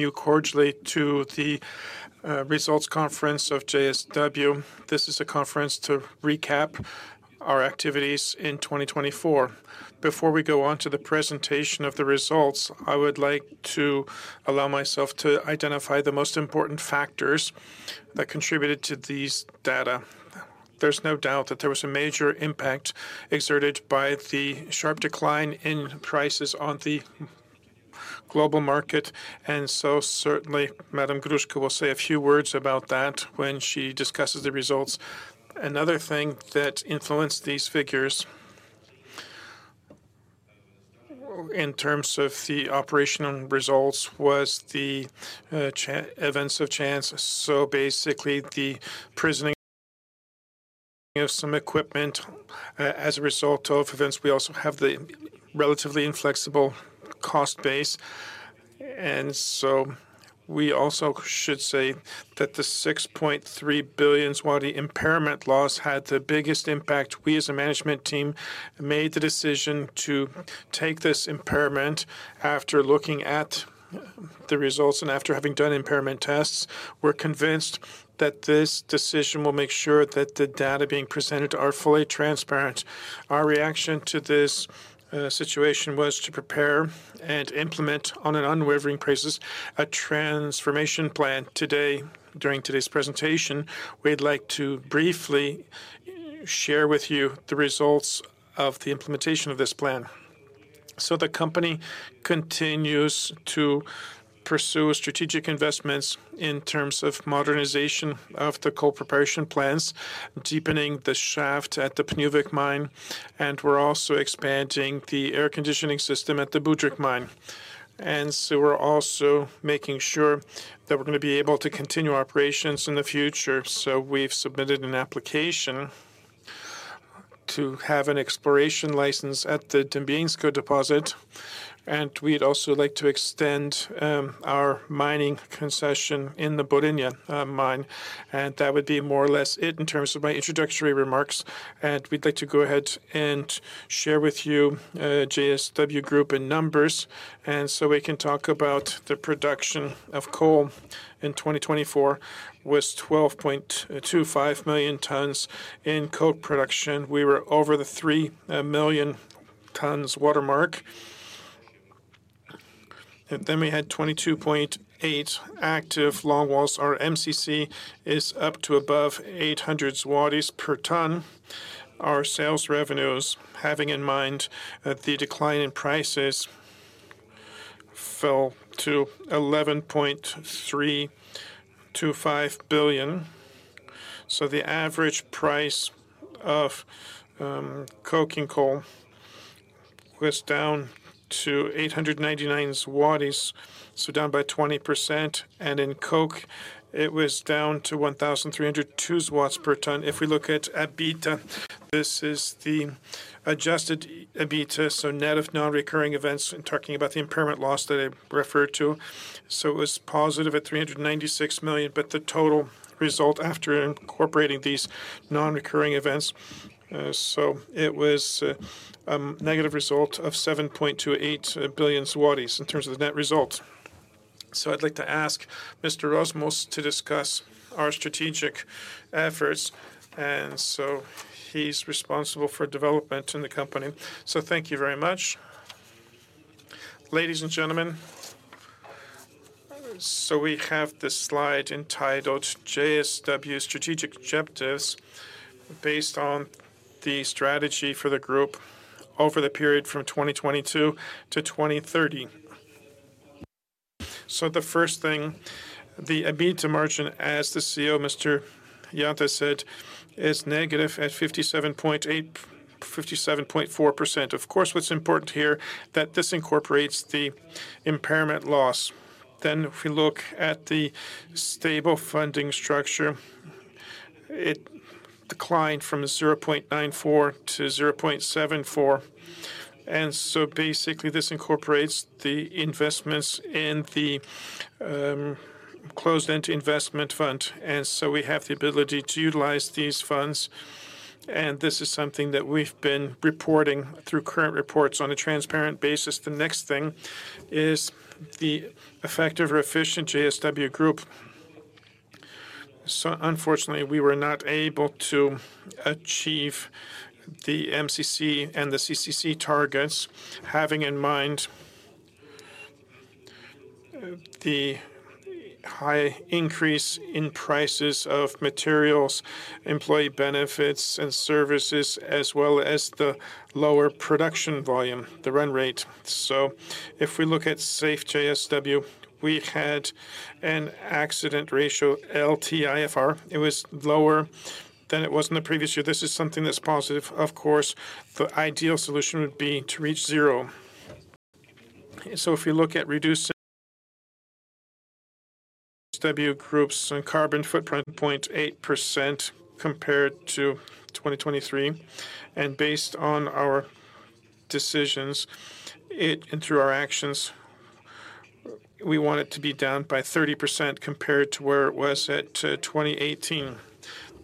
From you cordially to the Results Conference of JSW. This is a conference to recap our activities in 2024. Before we go on to the presentation of the results, I would like to allow myself to identify the most important factors that contributed to these data. There's no doubt that there was a major impact exerted by the sharp decline in prices on the global market, and certainly Madame Gruszka will say a few words about that when she discusses the results. Another thing that influenced these figures in terms of the operational results was the events of chance. Basically, the prisoning of some equipment as a result of events, we also have the relatively inflexible cost base. We also should say that the 6.3 billion impairment loss had the biggest impact. We, as a management team, made the decision to take this impairment after looking at the results and after having done impairment tests, were convinced that this decision will make sure that the data being presented are fully transparent. Our reaction to this situation was to prepare and implement, on an unwavering basis, a transformation plan. Today, during today's presentation, we'd like to briefly share with you the results of the implementation of this plan. The company continues to pursue strategic investments in terms of modernization of the coal preparation plants, deepening the shaft at the Pniówek mine, and we are also expanding the air conditioning system at the Budryk mine. We are also making sure that we're going to be able to continue operations in the future. We have submitted an application to have an exploration license at the Dębieńsko deposit, and we'd also like to extend our mining concession in the Borynia mine. That would be more or less it in terms of my introductory remarks. We'd like to go ahead and share with you JSW Group in numbers. We can talk about the production of coal in 2024 was 12.25 million tons in coal production. We were over the 3 million tons watermark. We had 22.8 active long walls. Our MCC is up to above 800 zlotys per ton. Our sales revenues, having in mind the decline in prices, fell to 11.325 billion. The average price of coke and coal was down to 899, so down by 20%. In coke, it was down to 1,302 per ton. If we look at EBITDA, this is the adjusted EBITDA, so net of non-recurring events and talking about the impairment loss that I referred to. It was positive at 396 million, but the total result after incorporating these non-recurring events, it was a negative result of 7.28 billion zlotys in terms of the net result. I'd like to ask Mr. Rozmus to discuss our strategic efforts. He is responsible for development in the company. Thank you very much. Ladies and gentlemen, we have this slide entitled JSW Strategic Objectives based on the strategy for the group over the period from 2022 to 2030. The first thing, the EBITDA margin, as the CEO, Mr. Janta, said, is negative at 57.4%. Of course, what's important here is that this incorporates the impairment loss. If we look at the stable funding structure, it declined from 0.94 to 0.74. This incorporates the investments in the closed-end investment fund. We have the ability to utilize these funds. This is something that we've been reporting through current reports on a transparent basis. The next thing is the effective or efficient JSW Group. Unfortunately, we were not able to achieve the MCC and the CCC targets, having in mind the high increase in prices of materials, employee benefits, and services, as well as the lower production volume, the run rate. If we look at safe JSW, we had an accident ratio, LTIFR. It was lower than it was in the previous year. This is something that's positive. Of course, the ideal solution would be to reach zero. If we look at reducing JSW Group's carbon footprint, 0.8% compared to 2023. Based on our decisions and through our actions, we want it to be down by 30% compared to where it was at 2018.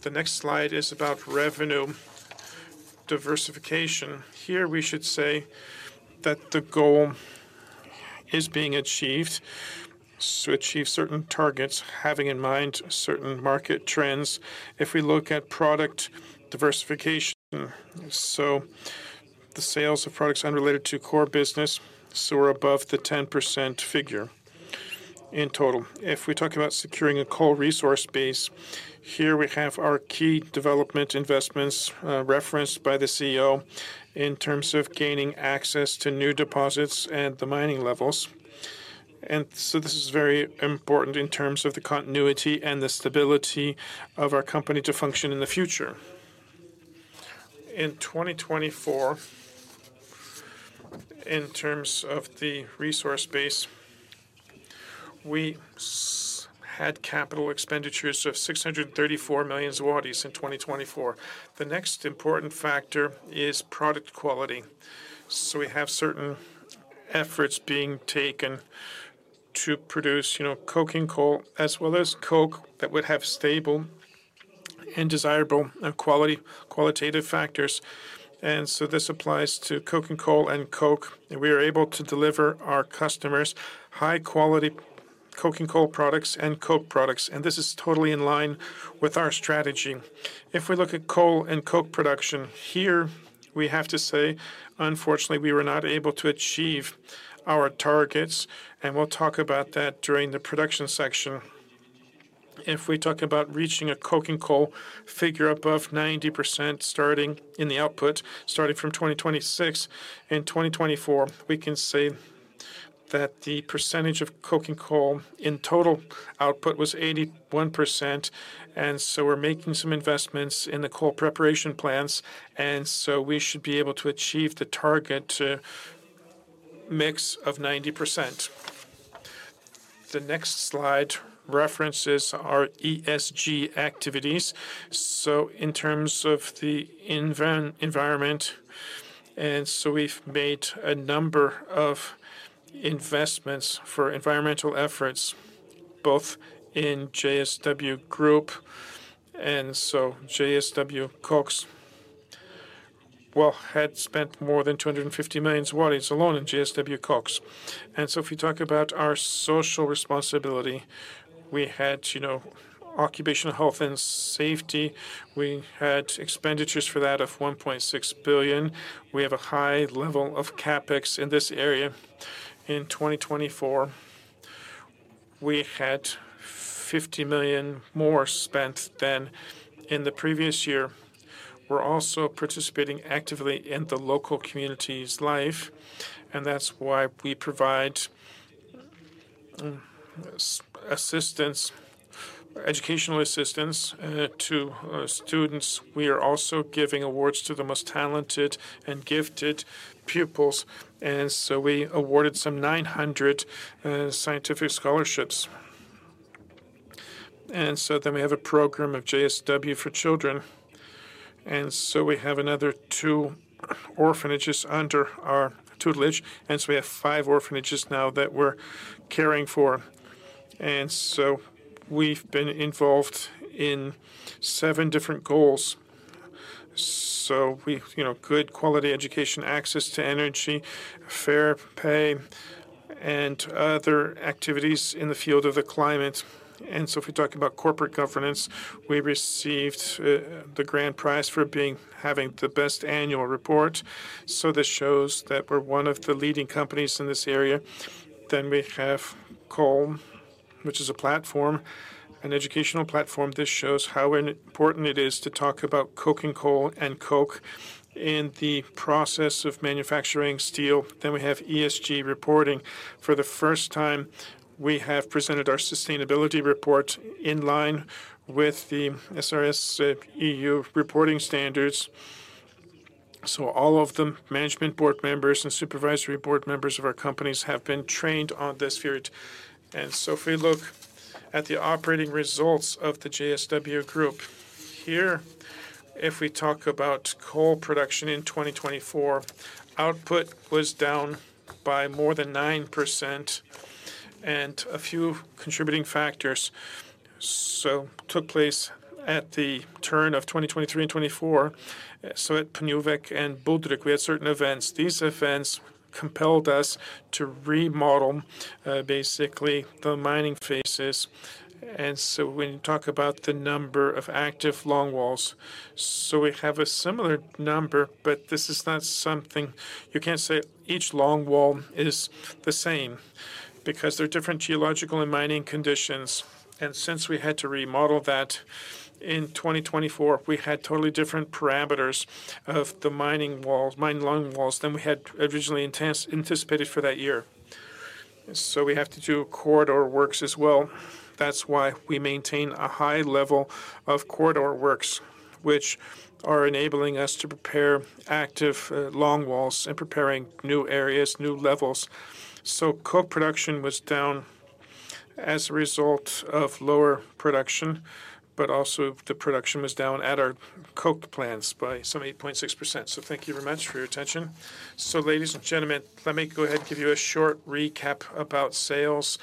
The next slide is about revenue diversification. Here, we should say that the goal is being achieved to achieve certain targets, having in mind certain market trends. If we look at product diversification, the sales of products unrelated to core business, we are above the 10% figure in total. If we talk about securing a coal resource base, here we have our key development investments referenced by the CEO in terms of gaining access to new deposits and the mining levels. This is very important in terms of the continuity and the stability of our company to function in the future. In 2024, in terms of the resource base, we had capital expenditures of 634 million zlotys in 2024. The next important factor is product quality. We have certain efforts being taken to produce coke and coal as well as coke that would have stable and desirable qualitative factors. This applies to coke and coal and coke. We are able to deliver our customers high-quality coke and coal products and coke products. This is totally in line with our strategy. If we look at coal and coke production here, we have to say, unfortunately, we were not able to achieve our targets. We will talk about that during the production section. If we talk about reaching a coke and coal figure above 90% starting in the output, starting from 2026 and 2024, we can say that the percentage of coke and coal in total output was 81%. We're making some investments in the coal preparation plants. We should be able to achieve the target mix of 90%. The next slide references our ESG activities. In terms of the environment, we've made a number of investments for environmental efforts, both in JSW Group and JSW Koks. We had spent more than 250 million alone in JSW Koks. If we talk about our social responsibility, we had occupational health and safety. We had expenditures for that of 1.6 billion. We have a high level of CapEx in this area. In 2024, we had 50 million more spent than in the previous year. We're also participating actively in the local community's life. That's why we provide assistance, educational assistance to students. We are also giving awards to the most talented and gifted pupils. We awarded some 900 scientific scholarships. We have a program of JSW for children. We have another two orphanages under our tutelage. We have five orphanages now that we're caring for. We have been involved in seven different goals. We have good quality education, access to energy, fair pay, and other activities in the field of the climate. If we talk about corporate governance, we received the grand prize for having the best annual report. This shows that we're one of the leading companies in this area. We have coal, which is a platform, an educational platform. This shows how important it is to talk about coke and coal and coke in the process of manufacturing steel. We have ESG reporting. For the first time, we have presented our sustainability report in line with the SRS EU reporting standards. All of the management board members and supervisory board members of our companies have been trained on this field. If we look at the operating results of the JSW Group here, if we talk about coal production in 2024, output was down by more than 9% and a few contributing factors. It took place at the turn of 2023 and 2024. At Pniówek and Budryk, we had certain events. These events compelled us to remodel basically the mining faces. When you talk about the number of active long walls, we have a similar number, but this is not something you can't say each long wall is the same because there are different geological and mining conditions. Since we had to remodel that in 2024, we had totally different parameters of the mining walls, mining long walls than we had originally anticipated for that year. We have to do corridor works as well. That's why we maintain a high level of corridor works, which are enabling us to prepare active long walls and preparing new areas, new levels. Coke production was down as a result of lower production, but also the production was down at our coke plants by some 8.6%. Thank you very much for your attention. Ladies and gentlemen, let me go ahead and give you a short recap about sales.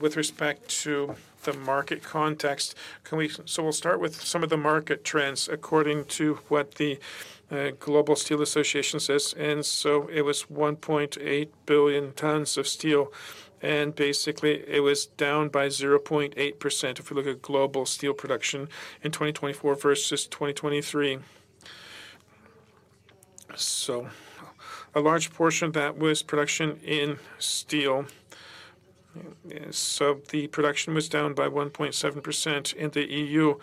With respect to the market context, we'll start with some of the market trends according to what the Global Steel Association says. It was 1.8 billion tons of steel, and basically it was down by 0.8% if we look at global steel production in 2024 versus 2023. A large portion of that was production in steel. The production was down by 1.7% in the EU.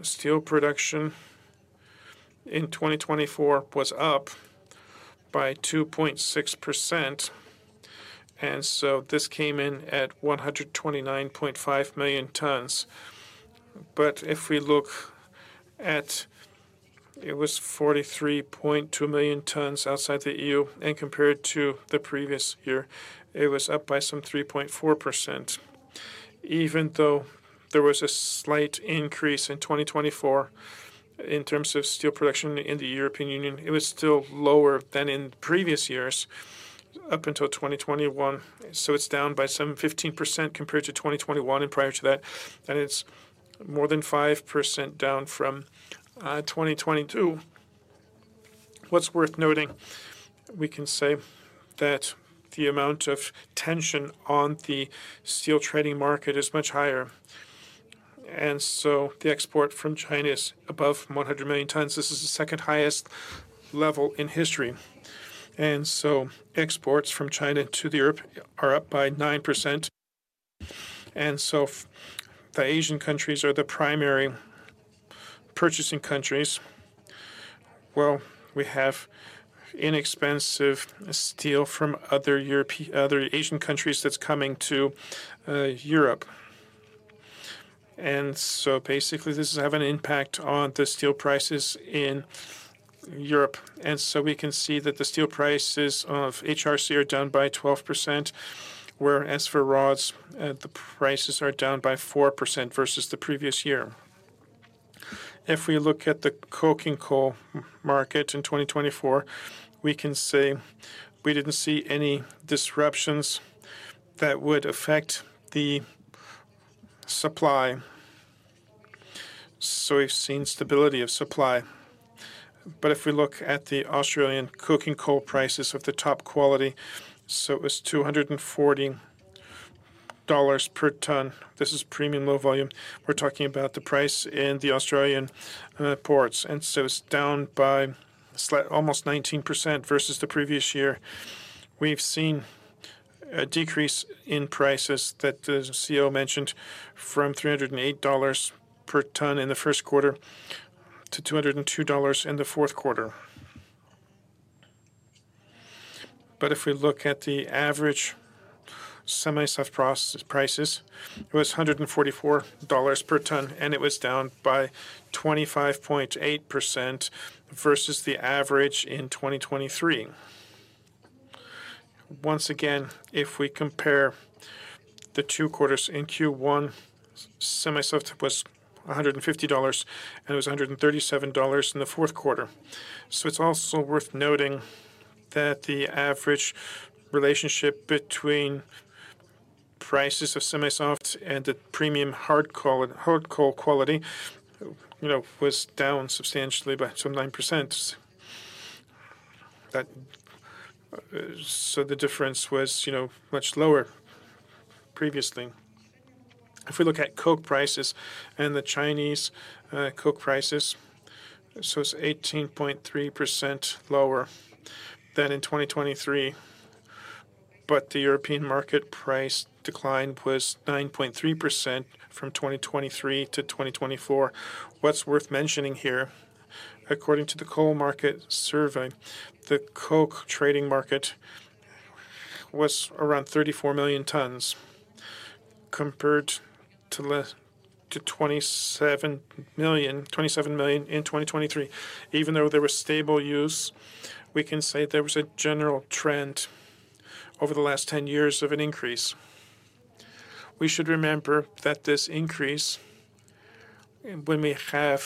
Steel production in 2024 was up by 2.6%. This came in at 129.5 million tons. If we look at it, it was 43.2 million tons outside the EU. Compared to the previous year, it was up by some 3.4%. Even though there was a slight increase in 2024 in terms of steel production in the European Union, it was still lower than in previous years up until 2021. It is down by some 15% compared to 2021 and prior to that. It is more than 5% down from 2022. What's worth noting, we can say that the amount of tension on the steel trading market is much higher. The export from China is above 100 million tons. This is the second highest level in history. Exports from China to Europe are up by 9%. The Asian countries are the primary purchasing countries. We have inexpensive steel from other Asian countries that's coming to Europe. Basically, this has an impact on the steel prices in Europe. We can see that the steel prices of HRC are down by 12%, whereas for rods, the prices are down by 4% versus the previous year. If we look at the coke and coal market in 2024, we can say we did not see any disruptions that would affect the supply. We have seen stability of supply. If we look at the Australian coke and coal prices of the top quality, it was $240 per ton. This is premium low volatility. We're talking about the price in the Australian ports. It is down by almost 19% versus the previous year. We've seen a decrease in prices that the CEO mentioned from $308 per ton in the first quarter to $202 in the fourth quarter. If we look at the average semi-soft prices, it was $144 per ton, and it was down by 25.8% versus the average in 2023. Once again, if we compare the two quarters, in Q1, semi-soft was $150, and it was $137 in the fourth quarter. It is also worth noting that the average relationship between prices of semi-soft and the premium hard coal quality was down substantially by some 9%. The difference was much lower previously. If we look at coke prices and the Chinese coke prices, it's 18.3% lower than in 2023. The European market price decline was 9.3% from 2023 to 2024. What's worth mentioning here, according to the coal market survey, the coke trading market was around 34 million tons compared to 27 million in 2023. Even though there was stable use, we can say there was a general trend over the last 10 years of an increase. We should remember that this increase happens when we have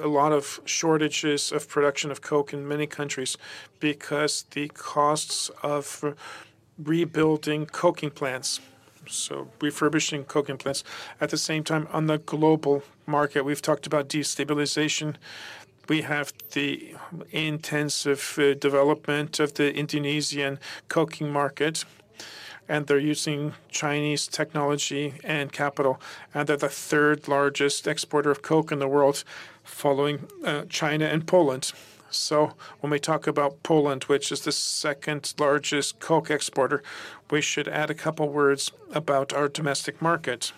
a lot of shortages of production of coke in many countries because of the costs of rebuilding coking plants, so refurbishing coking plants. At the same time, on the global market, we've talked about destabilization. We have the intensive development of the Indonesian coking market, and they're using Chinese technology and capital. They are the third largest exporter of coke in the world, following China and Poland. When we talk about Poland, which is the second largest coke exporter, we should add a couple of words about our domestic market.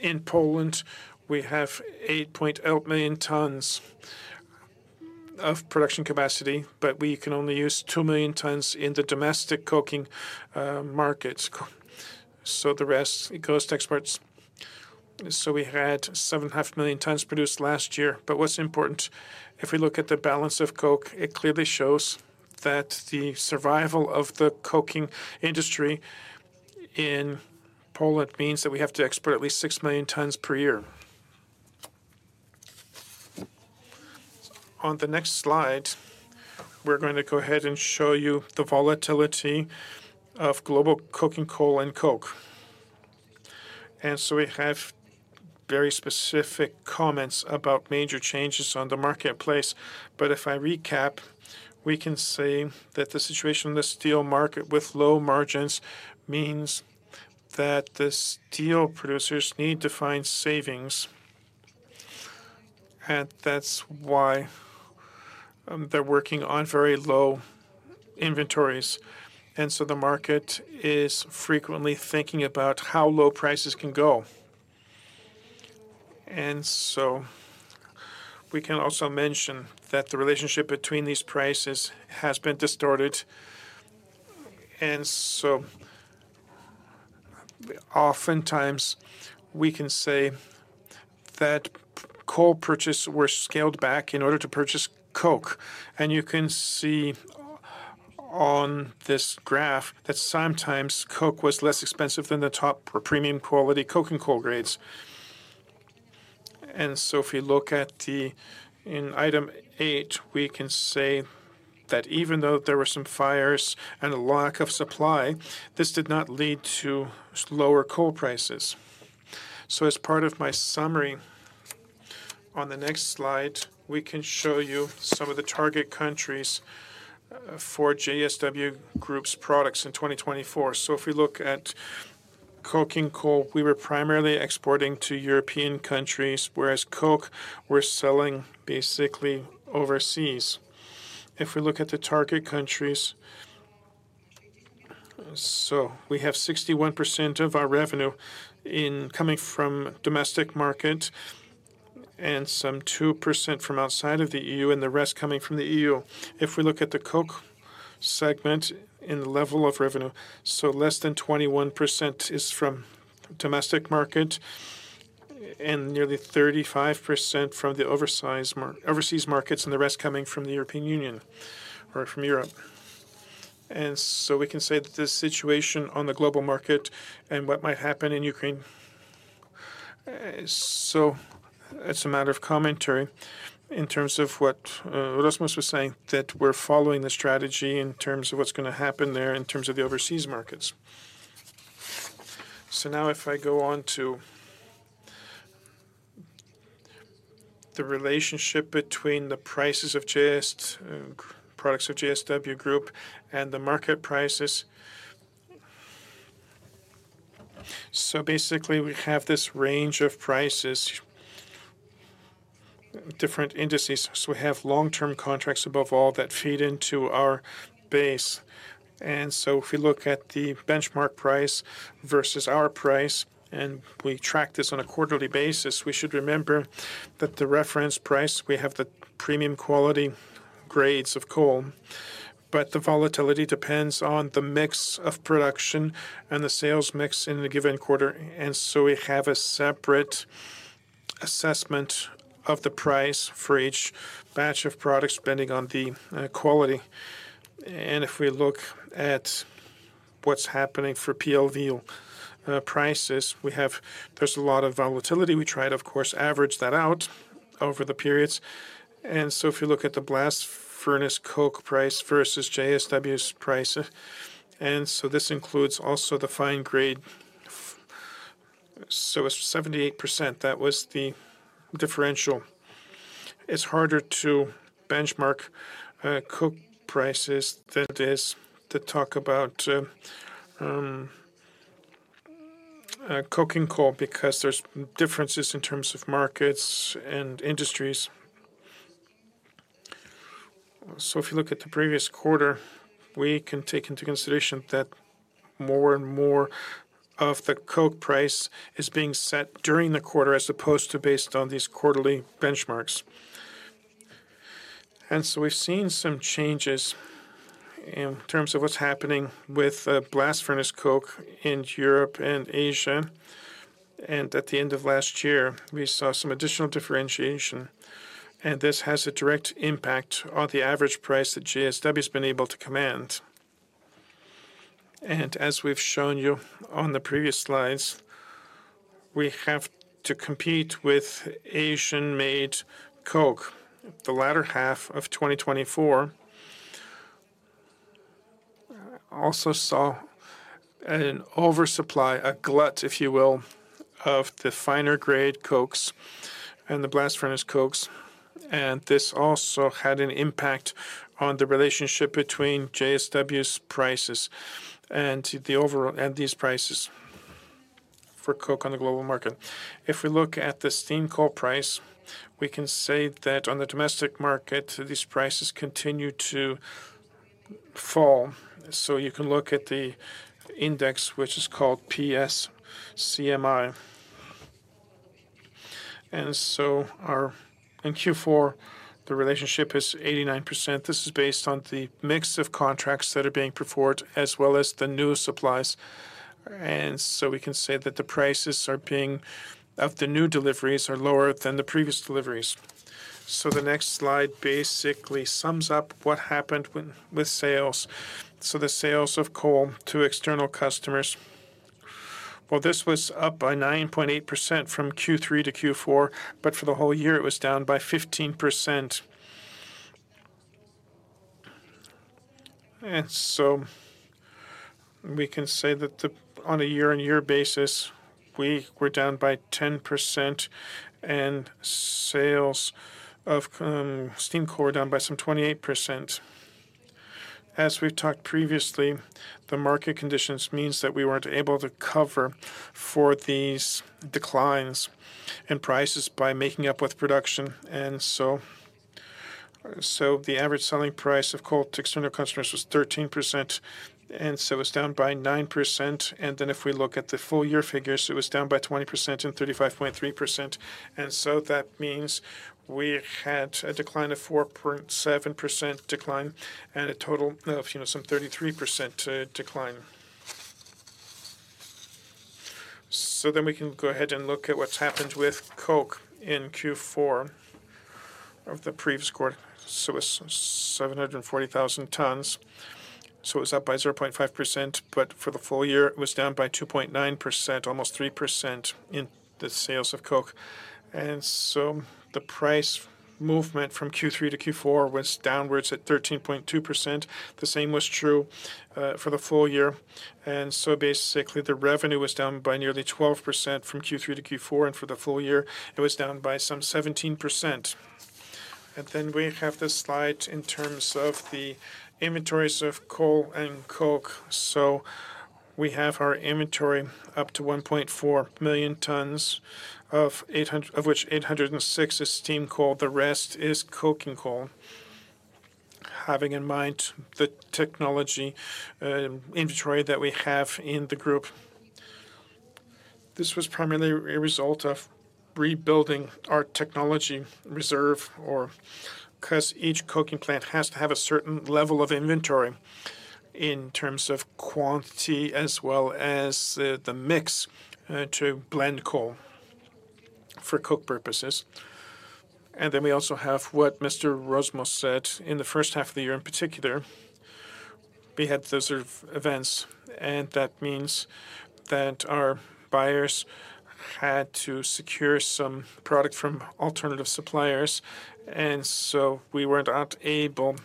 In Poland, we have 8.8 million tons of production capacity, but we can only use 2 million tons in the domestic coking markets. The rest goes to exports. We had 7.5 million tons produced last year. What's important, if we look at the balance of coke, it clearly shows that the survival of the coking industry in Poland means that we have to export at least 6 million tons per year. On the next slide, we're going to go ahead and show you the volatility of global coking coal and coke. We have very specific comments about major changes on the marketplace. If I recap, we can say that the situation in the steel market with low margins means that the steel producers need to find savings. That is why they are working on very low inventories. The market is frequently thinking about how low prices can go. We can also mention that the relationship between these prices has been distorted. Oftentimes, we can say that coal purchases were scaled back in order to purchase coke. You can see on this graph that sometimes coke was less expensive than the top premium quality coking coal grades. If we look at item eight, we can say that even though there were some fires and a lack of supply, this did not lead to lower coal prices. As part of my summary on the next slide, we can show you some of the target countries for JSW Group's products in 2024. If we look at coking coal, we were primarily exporting to European countries, whereas coke we're selling basically overseas. If we look at the target countries, we have 61% of our revenue coming from the domestic market and 2% from outside of the EU, and the rest coming from the EU. If we look at the coke segment in the level of revenue, less than 21% is from the domestic market and nearly 35% from the overseas markets, and the rest coming from the European Union or from Europe. We can say that the situation on the global market and what might happen in Ukraine. It is a matter of commentary in terms of what Rozmus was saying, that we are following the strategy in terms of what is going to happen there in terms of the overseas markets. Now, if I go on to the relationship between the prices of JSW Group and the market prices. Basically, we have this range of prices, different indices. We have long-term contracts above all that feed into our base. If we look at the benchmark price versus our price, and we track this on a quarterly basis, we should remember that the reference price, we have the premium quality grades of coal, but the volatility depends on the mix of production and the sales mix in a given quarter. We have a separate assessment of the price for each batch of products depending on the quality. If we look at what's happening for PLV prices, there's a lot of volatility. We tried, of course, to average that out over the periods. If you look at the blast furnace coke price versus JSW's price, this includes also the fine grade, so it's 78%. That was the differential. It's harder to benchmark coke prices than it is to talk about coking coal because there's differences in terms of markets and industries. If you look at the previous quarter, we can take into consideration that more and more of the coke price is being set during the quarter as opposed to based on these quarterly benchmarks. We have seen some changes in terms of what's happening with blast furnace coke in Europe and Asia. At the end of last year, we saw some additional differentiation. This has a direct impact on the average price that JSW has been able to command. As we've shown you on the previous slides, we have to compete with Asian-made coke. The latter half of 2024 also saw an oversupply, a glut, if you will, of the finer grade cokes and the blast furnace cokes. This also had an impact on the relationship between JSW's prices and these prices for coke on the global market. If we look at the steam coal price, we can say that on the domestic market, these prices continue to fall. You can look at the index, which is called PSCMI. In Q4, the relationship is 89%. This is based on the mix of contracts that are being performed as well as the new supplies. We can say that the prices of the new deliveries are lower than the previous deliveries. The next slide basically sums up what happened with sales. The sales of coal to external customers, this was up by 9.8% from Q3 to Q4, but for the whole year, it was down by 15%. We can say that on a year-on-year basis, we were down by 10%, and sales of steam coal were down by some 28%. As we've talked previously, the market conditions mean that we weren't able to cover for these declines in prices by making up with production. The average selling price of coal to external customers was 13%, and it was down by 9%. If we look at the full year figures, it was down by 20% and 35.3%. That means we had a decline of 4.7% and a total of some 33% decline. We can go ahead and look at what's happened with coke in Q4 of the previous quarter. It's 740,000 tons. It was up by 0.5%, but for the full year, it was down by 2.9%, almost 3% in the sales of coke. The price movement from Q3 to Q4 was downwards at 13.2%. The same was true for the full year. Basically, the revenue was down by nearly 12% from Q3 to Q4, and for the full year, it was down by some 17%. We have this slide in terms of the inventories of coal and coke. We have our inventory up to 1.4 million tons, of which 806 is steam coal. The rest is coking coal, having in mind the technology inventory that we have in the group. This was primarily a result of rebuilding our technology reserve because each coking plant has to have a certain level of inventory in terms of quantity as well as the mix to blend coal for coke purposes. We also have what Mr. Rozmus said in the first half of the year. In particular, we had those events, and that means that our buyers had to secure some product from alternative suppliers. We were not able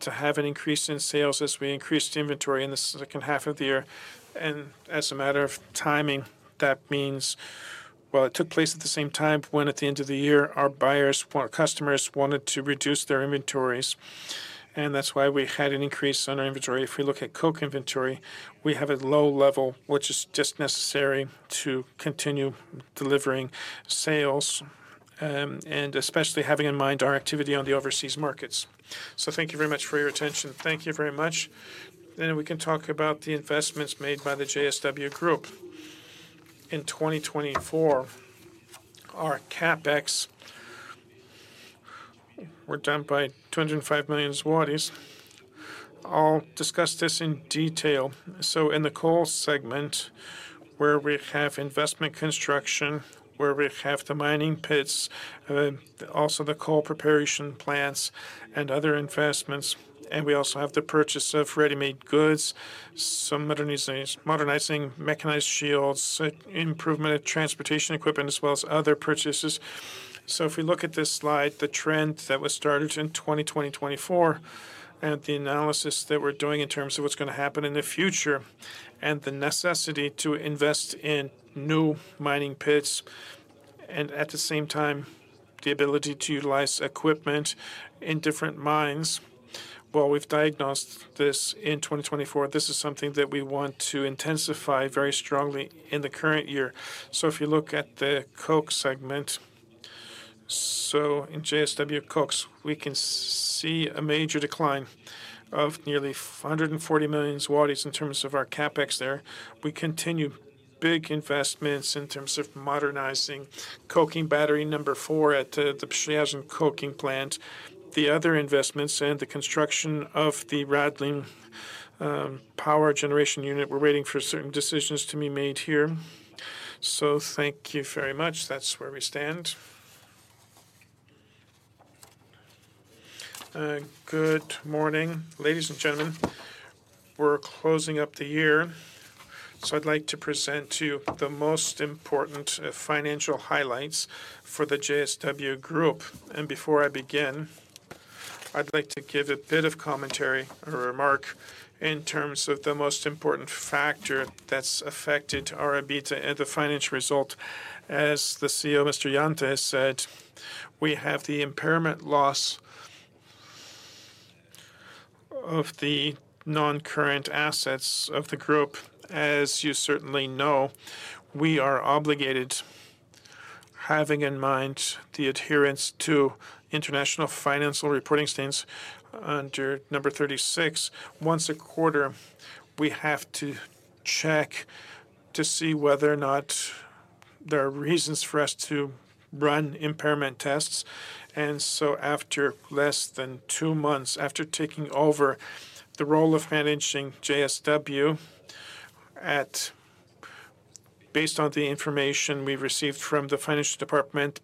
to have an increase in sales as we increased inventory in the second half of the year. As a matter of timing, that means it took place at the same time when at the end of the year, our buyers, our customers wanted to reduce their inventories. That is why we had an increase in our inventory. If we look at coke inventory, we have a low level, which is just necessary to continue delivering sales, especially having in mind our activity on the overseas markets. Thank you very much for your attention. Thank you very much. We can talk about the investments made by the JSW Group. In 2024, our CapEx were down by 205 million zlotys. I'll discuss this in detail. In the coal segment, where we have investment construction, where we have the mining pits, also the coal preparation plants and other investments, and we also have the purchase of ready-made goods, some modernizing mechanized shields, improvement of transportation equipment, as well as other purchases. If we look at this slide, the trend that was started in 2020-2024 and the analysis that we're doing in terms of what's going to happen in the future and the necessity to invest in new mining pits, and at the same time, the ability to utilize equipment in different mines. We've diagnosed this in 2024. This is something that we want to intensify very strongly in the current year. If you look at the coke segment, in JSW Koks, we can see a major decline of nearly 140 million zlotys in terms of our CapEx there. We continue big investments in terms of modernizing coking battery number four at the Pragów coking plant. The other investments and the construction of the Radlin power generation unit, we're waiting for certain decisions to be made here. Thank you very much. That's where we stand. Good morning, ladies and gentlemen. We're closing up the year. I would like to present to you the most important financial highlights for the JSW Group. Before I begin, I would like to give a bit of commentary or remark in terms of the most important factor that's affected our EBITDA and the financial result. As the CEO, Mr. Janta, said, we have the impairment loss of the non-current assets of the group. As you certainly know, we are obligated, having in mind the adherence to international financial reporting standards under number 36. Once a quarter, we have to check to see whether or not there are reasons for us to run impairment tests. After less than two months after taking over the role of managing JSW, based on the information we've received from the Financial Department,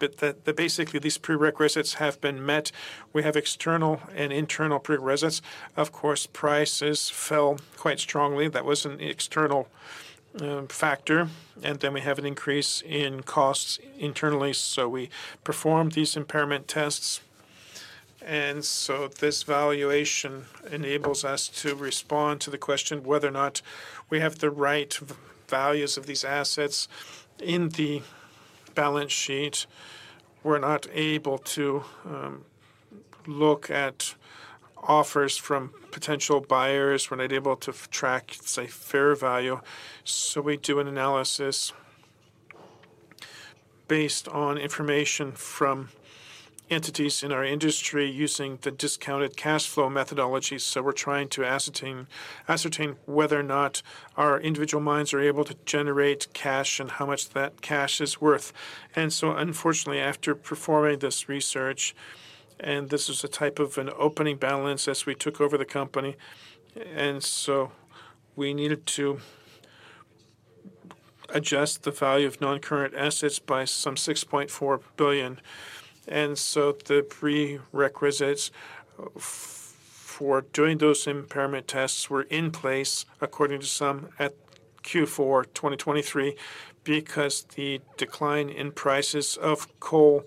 basically these prerequisites have been met. We have external and internal prerequisites. Of course, prices fell quite strongly. That was an external factor. Then we have an increase in costs internally. We performed these impairment tests. This valuation enables us to respond to the question whether or not we have the right values of these assets in the balance sheet. We're not able to look at offers from potential buyers. We're not able to track, say, fair value. We do an analysis based on information from entities in our industry using the discounted cash flow methodology. We're trying to ascertain whether or not our individual mines are able to generate cash and how much that cash is worth. Unfortunately, after performing this research, and this is a type of an opening balance as we took over the company, we needed to adjust the value of non-current assets by some 6.4 billion. The prerequisites for doing those impairment tests were in place, according to some, at Q4 2023, because the decline in prices of coal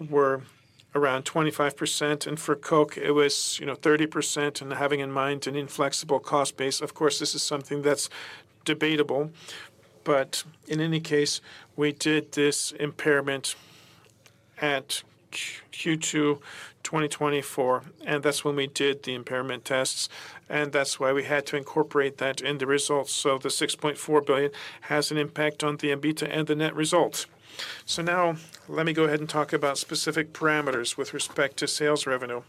was around 25%, and for coke, it was 30%. Having in mind an inflexible cost base, of course, this is something that's debatable. In any case, we did this impairment at Q2 2024, and that's when we did the impairment tests. That's why we had to incorporate that in the results. The 6.4 billion has an impact on the EBITDA and the net result. Now let me go ahead and talk about specific parameters with respect to sales revenue.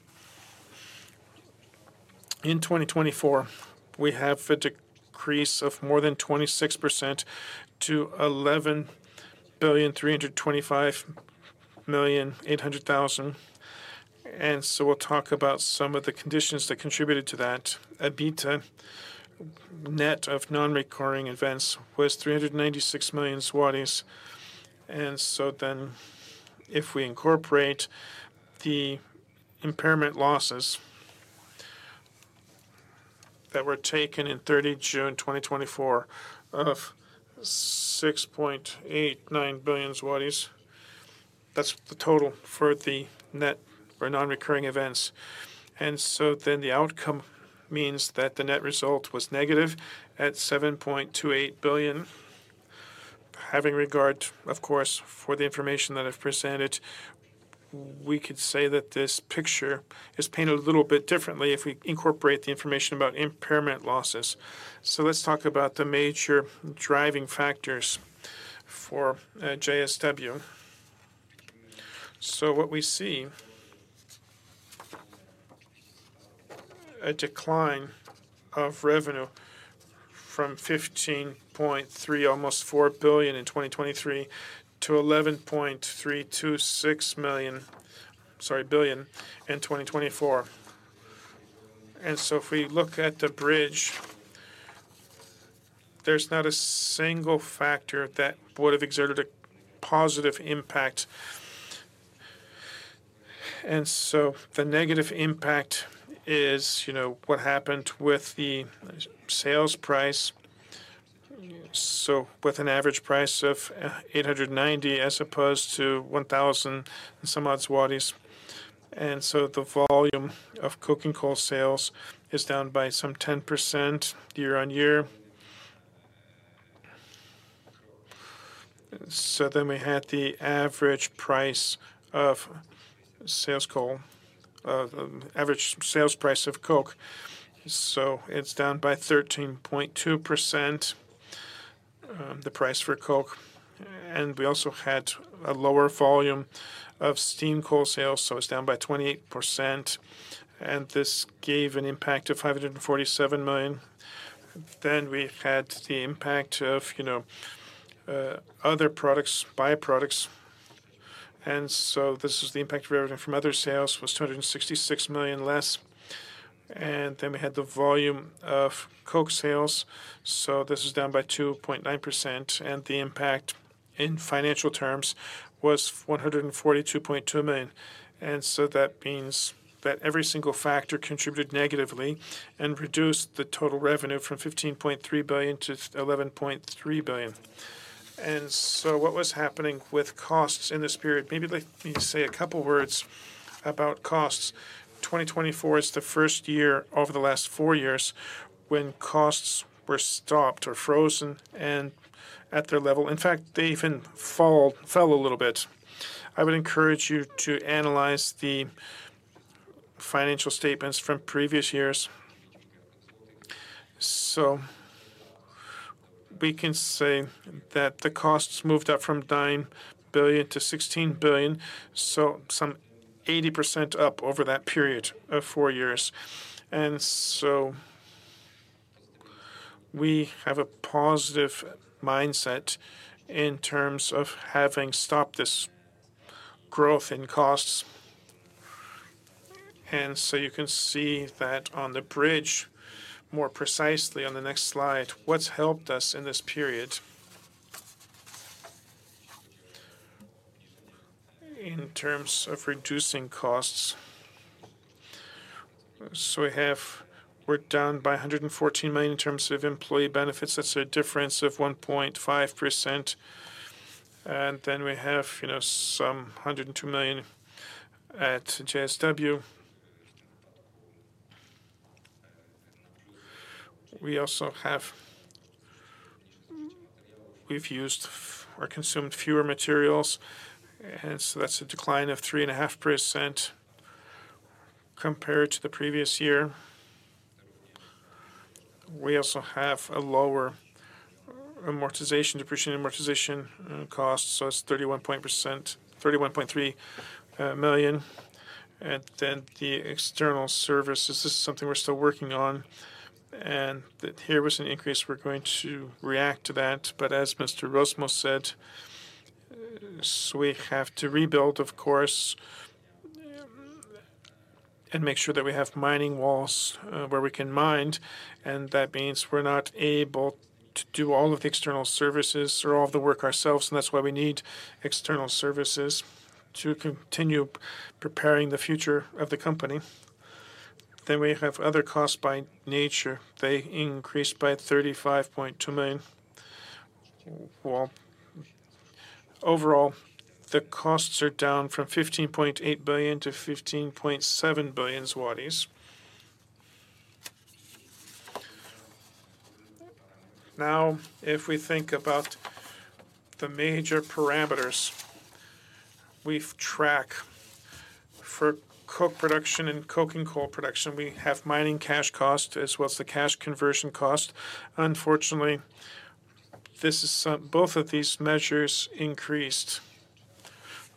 In 2024, we have a decrease of more than 26% to 11,325,800,000. We will talk about some of the conditions that contributed to that. EBITDA net of non-recurring events was 396 million zlotys. If we incorporate the impairment losses that were taken on 30 June 2024 of 6.89 billion zlotys, that is the total for the net or non-recurring events. The outcome means that the net result was negative at 7.28 billion. Having regard, of course, for the information that I have presented, we could say that this picture is painted a little bit differently if we incorporate the information about impairment losses. Let's talk about the major driving factors for JSW. What we see is a decline of revenue from 15.3, almost 15.4 billion in 2023 to 11.326 billion in 2024. If we look at the bridge, there's not a single factor that would have exerted a positive impact. The negative impact is what happened with the sales price. With an average price of 890 as opposed to 1,000 and some odd. The volume of coking coal sales is down by some 10% year on year. We had the average price of sales coal, average sales price of coke. It's down by 13.2%, the price for coke. We also had a lower volume of steam coal sales, so it's down by 28%. This gave an impact of 547 million. We had the impact of other products, byproducts. This is the impact of everything from other sales, which was 266 million less. We had the volume of coke sales, which is down by 2.9%. The impact in financial terms was 142.2 million. That means that every single factor contributed negatively and reduced the total revenue from 15.3 billion to 11.3 billion. What was happening with costs in this period? Maybe let me say a couple of words about costs. 2024 is the first year over the last four years when costs were stopped or frozen at their level. In fact, they even fell a little bit. I would encourage you to analyze the financial statements from previous years. We can say that the costs moved up from 9 billion to 16 billion, so some 80% up over that period of four years. We have a positive mindset in terms of having stopped this growth in costs. You can see that on the bridge, more precisely on the next slide, what has helped us in this period in terms of reducing costs. We are down by 114 million in terms of employee benefits. That is a difference of 1.5%. We have some 102 million at JSW. We have used or consumed fewer materials, so that is a decline of 3.5% compared to the previous year. We also have a lower depreciation and amortization cost, so it is 31.3 million. The external services, this is something we are still working on. There was an increase. We are going to react to that. As Mr. Rozmus said, we have to rebuild, of course, and make sure that we have mining walls where we can mine. That means we're not able to do all of the external services or all of the work ourselves. That's why we need external services to continue preparing the future of the company. We have other costs by nature. They increased by 35.2 million. Overall, the costs are down from 15.8 billion to 15.7 billion. If we think about the major parameters we track for coke production and coking coal production, we have mining cash cost as well as the cash conversion cost. Unfortunately, both of these measures increased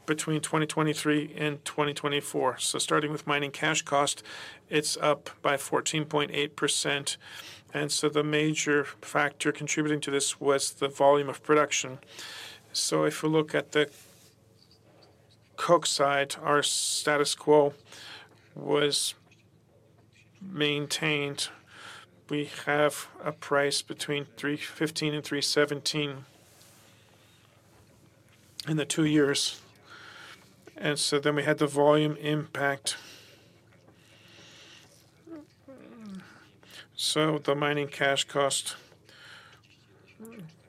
between 2023 and 2024. Starting with mining cash cost, it's up by 14.8%. The major factor contributing to this was the volume of production. If we look at the coke side, our status quo was maintained. We have a price between $315 and $317 in the two years. Then we had the volume impact. The mining cash cost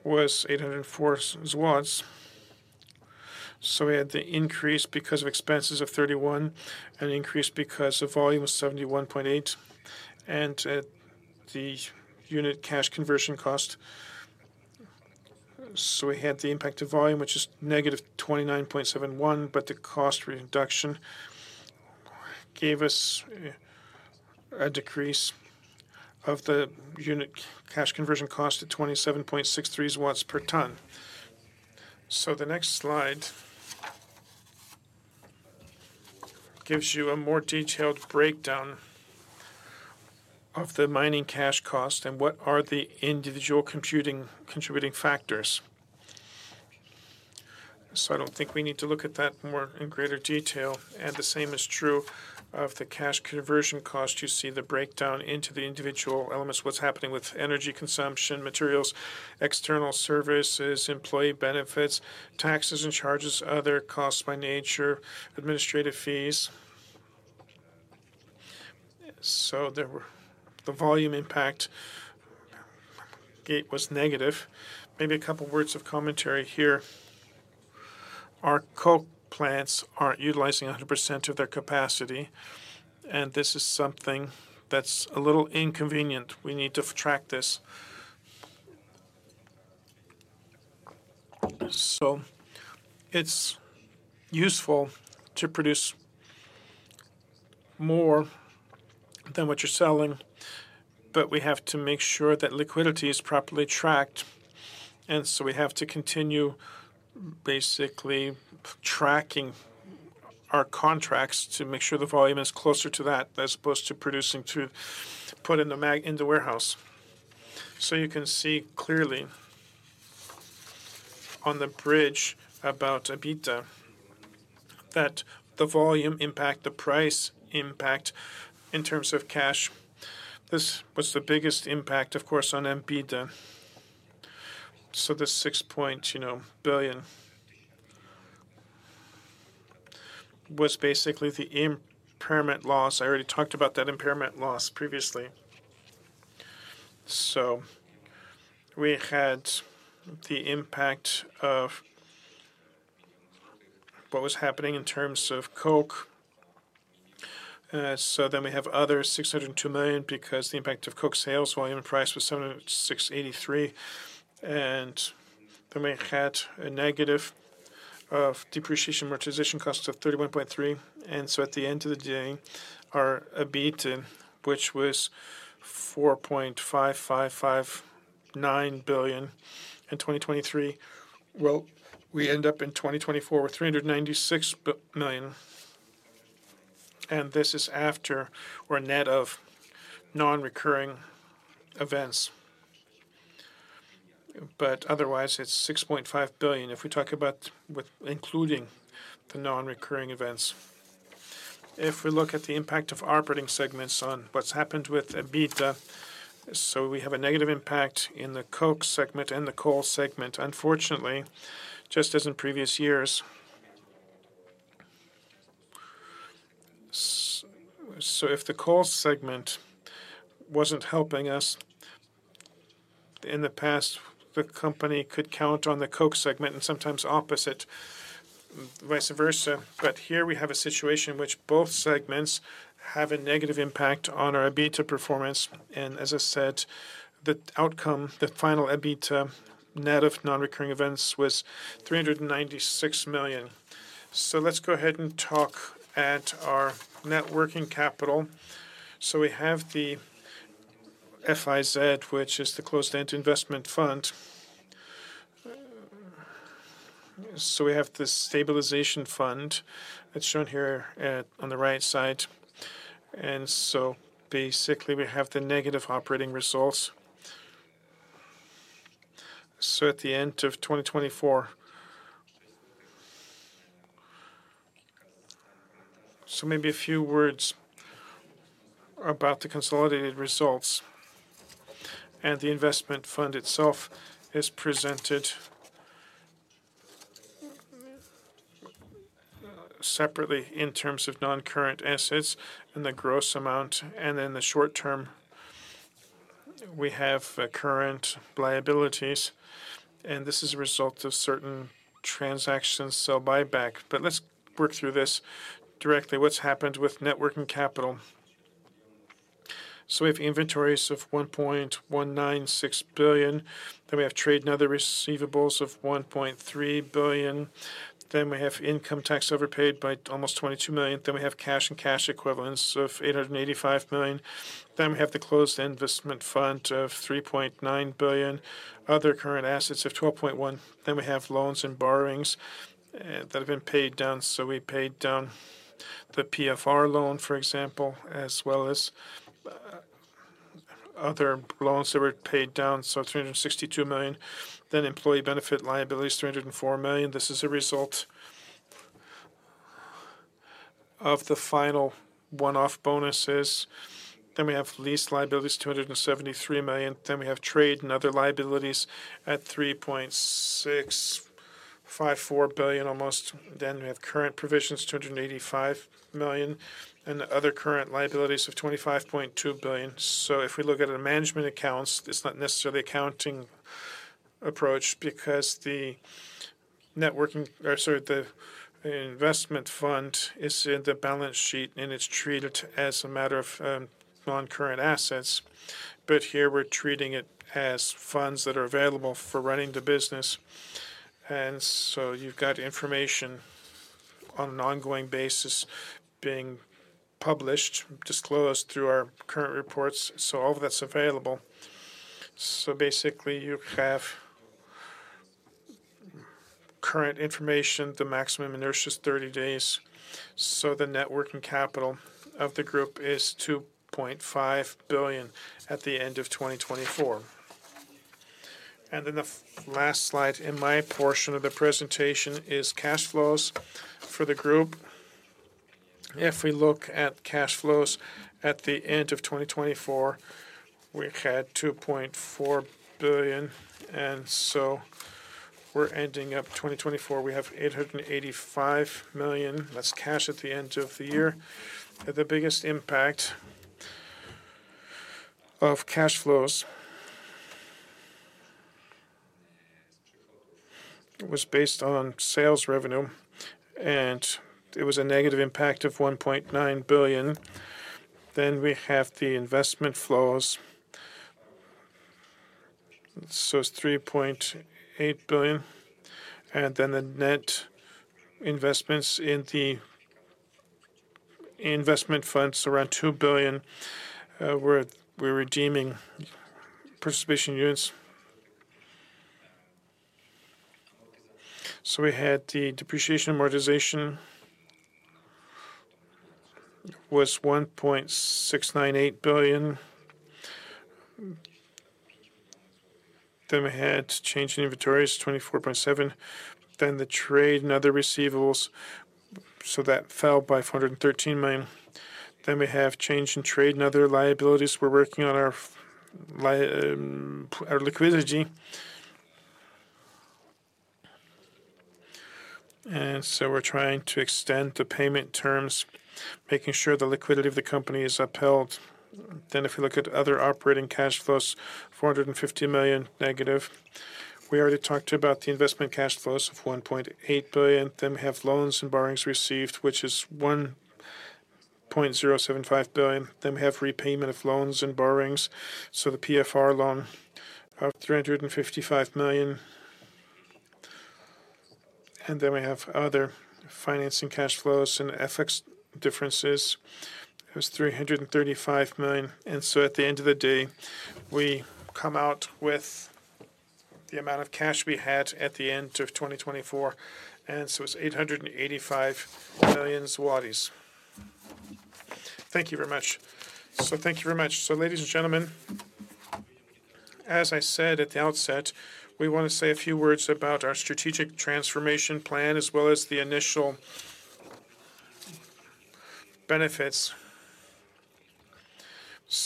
was 804. We had the increase because of expenses of 31 and increase because of volume of 71.8. The unit cash conversion cost, we had the impact of volume, which is negative 29.71, but the cost reduction gave us a decrease of the unit cash conversion cost at 27.63 per ton. The next slide gives you a more detailed breakdown of the mining cash cost and what are the individual contributing factors. I do not think we need to look at that more in greater detail. The same is true of the cash conversion cost. You see the breakdown into the individual elements, what is happening with energy consumption, materials, external services, employee benefits, taxes and charges, other costs by nature, administrative fees. The volume impact gate was negative. Maybe a couple of words of commentary here. Our coke plants aren't utilizing 100% of their capacity. This is something that's a little inconvenient. We need to track this. It's useful to produce more than what you're selling, but we have to make sure that liquidity is properly tracked. We have to continue basically tracking our contracts to make sure the volume is closer to that as opposed to producing to put in the warehouse. You can see clearly on the bridge about EBITDA that the volume impact, the price impact in terms of cash. This was the biggest impact, of course, on EBITDA. The PLN 6 billion was basically the impairment loss. I already talked about that impairment loss previously. We had the impact of what was happening in terms of coke. Then we have other 602 million because the impact of coke sales volume and price was 683 million. We had a negative of depreciation amortization cost of 31.3 million. At the end of the day, our EBITDA, which was 4.5559 billion in 2023, we end up in 2024 with 396 million. This is after we are net of non-recurring events. Otherwise, it is 6.5 billion if we talk about including the non-recurring events. If we look at the impact of operating segments on what has happened with EBITDA, we have a negative impact in the coke segment and the coal segment, unfortunately, just as in previous years. If the coal segment was not helping us in the past, the company could count on the coke segment and sometimes opposite, vice versa. Here we have a situation in which both segments have a negative impact on our EBITDA performance. As I said, the outcome, the final EBITDA net of non-recurring events was 396 million. Let's go ahead and talk at our net working capital. We have the FIZ, which is the closed-end investment fund. We have the stabilization fund that's shown here on the right side. Basically, we have the negative operating results. At the end of 2024, maybe a few words about the consolidated results. The investment fund itself is presented separately in terms of non-current assets and the gross amount. In the short term, we have current liabilities. This is a result of certain transactions, sell buyback. Let's work through this directly. What's happened with net working capital? We have inventories of 1.196 billion. We have trade and other receivables of 1.3 billion. We have income tax overpaid by almost 22 million. We have cash and cash equivalents of 885 million. We have the closed investment fund of 3.9 billion. Other current assets of 12.1 million. We have loans and borrowings that have been paid down. We paid down the PFR loan, for example, as well as other loans that were paid down, 362 million. Employee benefit liabilities, 304 million. This is a result of the final one-off bonuses. We have lease liabilities, 273 million. We have trade and other liabilities at 3.654 billion, almost. We have current provisions, 285 million, and other current liabilities of 25.2 million. If we look at the management accounts, it's not necessarily accounting approach because the investment fund is in the balance sheet and it's treated as a matter of non-current assets. Here we're treating it as funds that are available for running the business. You've got information on an ongoing basis being published, disclosed through our current reports. All of that's available. Basically, you have current information, the maximum inertia is 30 days. The networking capital of the group is 2.5 billion at the end of 2024. The last slide in my portion of the presentation is cash flows for the group. If we look at cash flows at the end of 2024, we had 2.4 billion. We're ending up 2024, we have 885 million. That's cash at the end of the year. The biggest impact of cash flows was based on sales revenue, and it was a negative impact of 1.9 billion. We have the investment flows, so it's 3.8 billion. The net investments in the investment funds, around 2 billion, where we're redeeming participation units. We had the depreciation amortization was 1.698 billion. We had change in inventories 24.7 million. The trade and other receivables, so that fell by 413 million. We have change in trade and other liabilities. We're working on our liquidity. We're trying to extend the payment terms, making sure the liquidity of the company is upheld. If we look at other operating cash flows, 450 million negative. We already talked about the investment cash flows of 1.8 billion. We have loans and borrowings received, which is 1.075 billion. We have repayment of loans and borrowings, so the PFR loan of 355 million. We have other financing cash flows and FX differences. It was 335 million. At the end of the day, we come out with the amount of cash we had at the end of 2024. It is 885 million zlotys. Thank you very much. Thank you very much. Ladies and gentlemen, as I said at the outset, we want to say a few words about our strategic transformation plan as well as the initial benefits.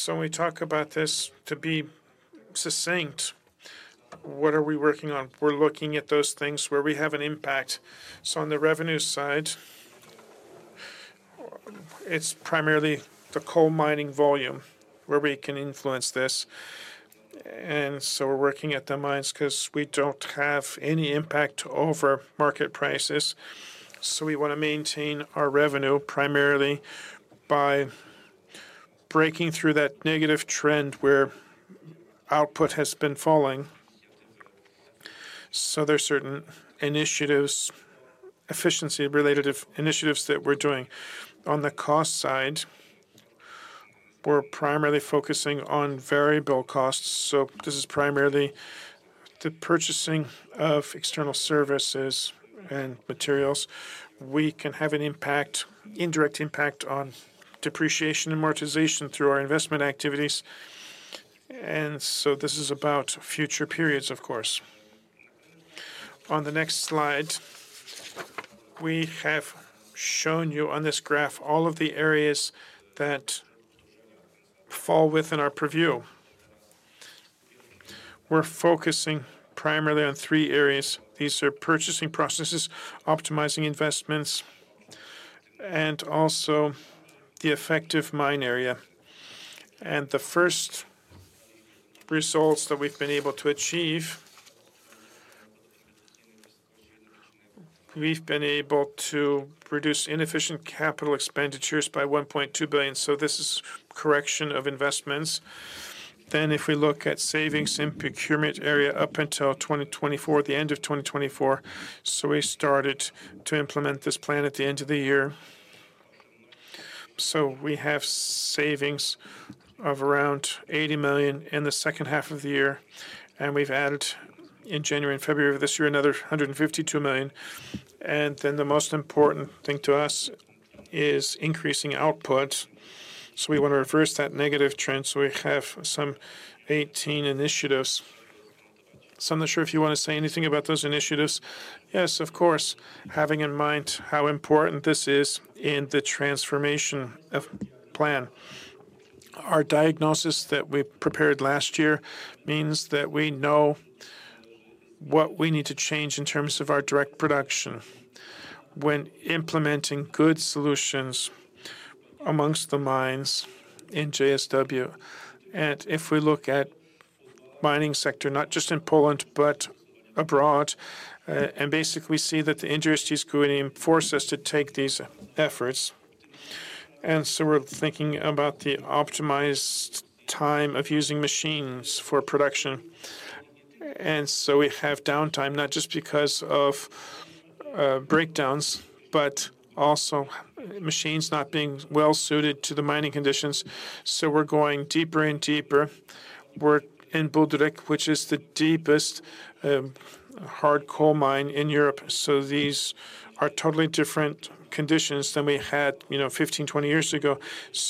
When we talk about this to be succinct, what are we working on? We are looking at those things where we have an impact. On the revenue side, it is primarily the coal mining volume where we can influence this. We're working at the mines because we don't have any impact over market prices. We want to maintain our revenue primarily by breaking through that negative trend where output has been falling. There are certain efficiency-related initiatives that we're doing. On the cost side, we're primarily focusing on variable costs. This is primarily the purchasing of external services and materials. We can have an impact, indirect impact on depreciation and amortization through our investment activities. This is about future periods, of course. On the next slide, we have shown you on this graph all of the areas that fall within our purview. We're focusing primarily on three areas. These are purchasing processes, optimizing investments, and also the effective mine area. The first results that we've been able to achieve, we've been able to reduce inefficient capital expenditures by 1.2 billion. This is correction of investments. If we look at savings in procurement area up until 2024, the end of 2024, we started to implement this plan at the end of the year. We have savings of around 80 million in the second half of the year. We have added in January and February of this year another 152 million. The most important thing to us is increasing output. We want to reverse that negative trend. We have some 18 initiatives. I am not sure if you want to say anything about those initiatives. Yes, of course, having in mind how important this is in the transformation plan. Our diagnosis that we prepared last year means that we know what we need to change in terms of our direct production when implementing good solutions amongst the mines in JSW. If we look at the mining sector, not just in Poland, but abroad, we basically see that the injury is creating, force us to take these efforts. We are thinking about the optimized time of using machines for production. We have downtime, not just because of breakdowns, but also machines not being well-suited to the mining conditions. We are going deeper and deeper. We are in Budryk, which is the deepest hard coal mine in Europe. These are totally different conditions than we had 15, 20 years ago.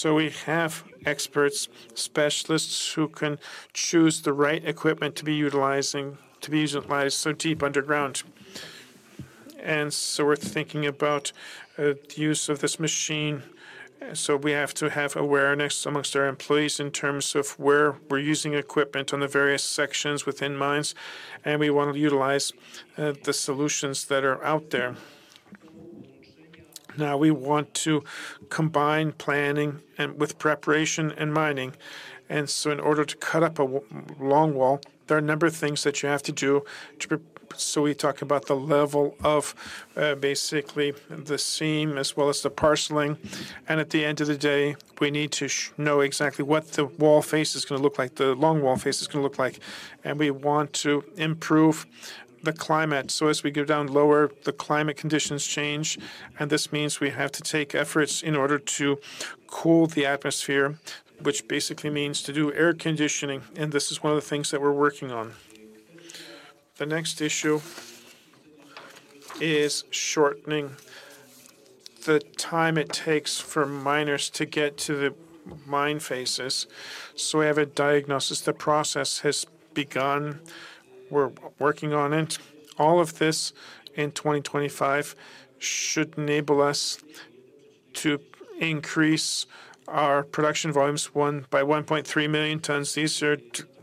We have experts, specialists who can choose the right equipment to be utilized so deep underground. We are thinking about the use of this machine. We have to have awareness amongst our employees in terms of where we are using equipment on the various sections within mines. We want to utilize the solutions that are out there. We want to combine planning with preparation and mining. In order to cut up a long wall, there are a number of things that you have to do. We talk about the level of basically the seam as well as the parceling. At the end of the day, we need to know exactly what the wall face is going to look like, the long wall face is going to look like. We want to improve the climate. As we go down lower, the climate conditions change. This means we have to take efforts in order to cool the atmosphere, which basically means to do air conditioning. This is one of the things that we're working on. The next issue is shortening the time it takes for miners to get to the mine faces. We have a diagnosis. The process has begun. We're working on it. All of this in 2025 should enable us to increase our production volumes by 1.3 million tons. These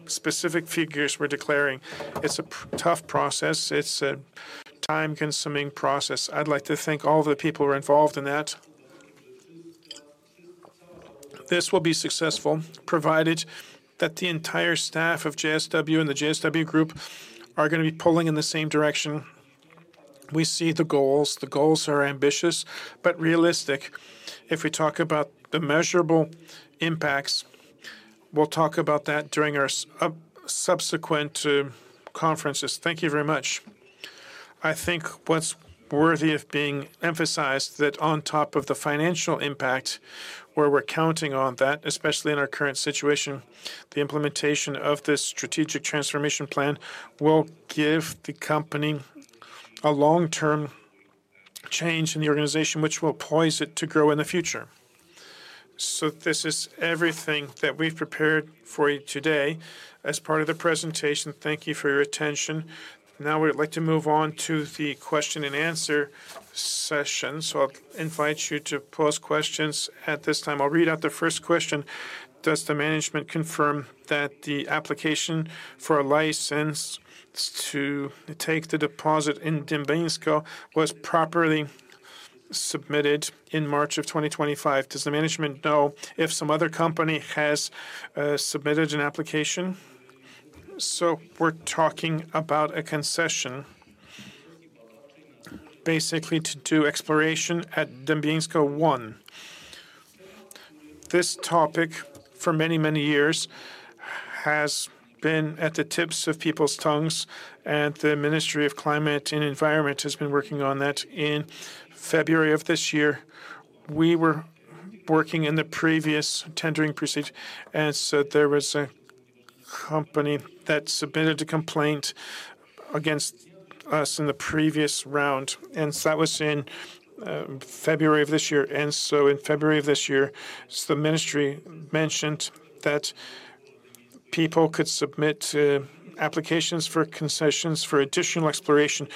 are specific figures we're declaring. It's a tough process. It's a time-consuming process. I'd like to thank all of the people who are involved in that. This will be successful, provided that the entire staff of JSW and the JSW Group are going to be pulling in the same direction. We see the goals. The goals are ambitious, but realistic. If we talk about the measurable impacts, we'll talk about that during our subsequent conferences. Thank you very much. I think what's worthy of being emphasized is that on top of the financial impact, where we're counting on that, especially in our current situation, the implementation of this strategic transformation plan will give the company a long-term change in the organization, which will poise it to grow in the future. This is everything that we've prepared for you today as part of the presentation. Thank you for your attention. Now, we'd like to move on to the question and answer session. I invite you to post questions at this time. I'll read out the first question. Does the management confirm that the application for a license to take the deposit in Dębieńsko was properly submitted in March of 2025? Does the management know if some other company has submitted an application? We're talking about a concession, basically to do exploration at Dębieńsko 1. This topic for many, many years has been at the tips of people's tongues, and the Ministry of Climate and Environment has been working on that in February of this year. We were working in the previous tendering procedure, and there was a company that submitted a complaint against us in the previous round. That was in February of this year. In February of this year, the ministry mentioned that people could submit applications for concessions for additional exploration.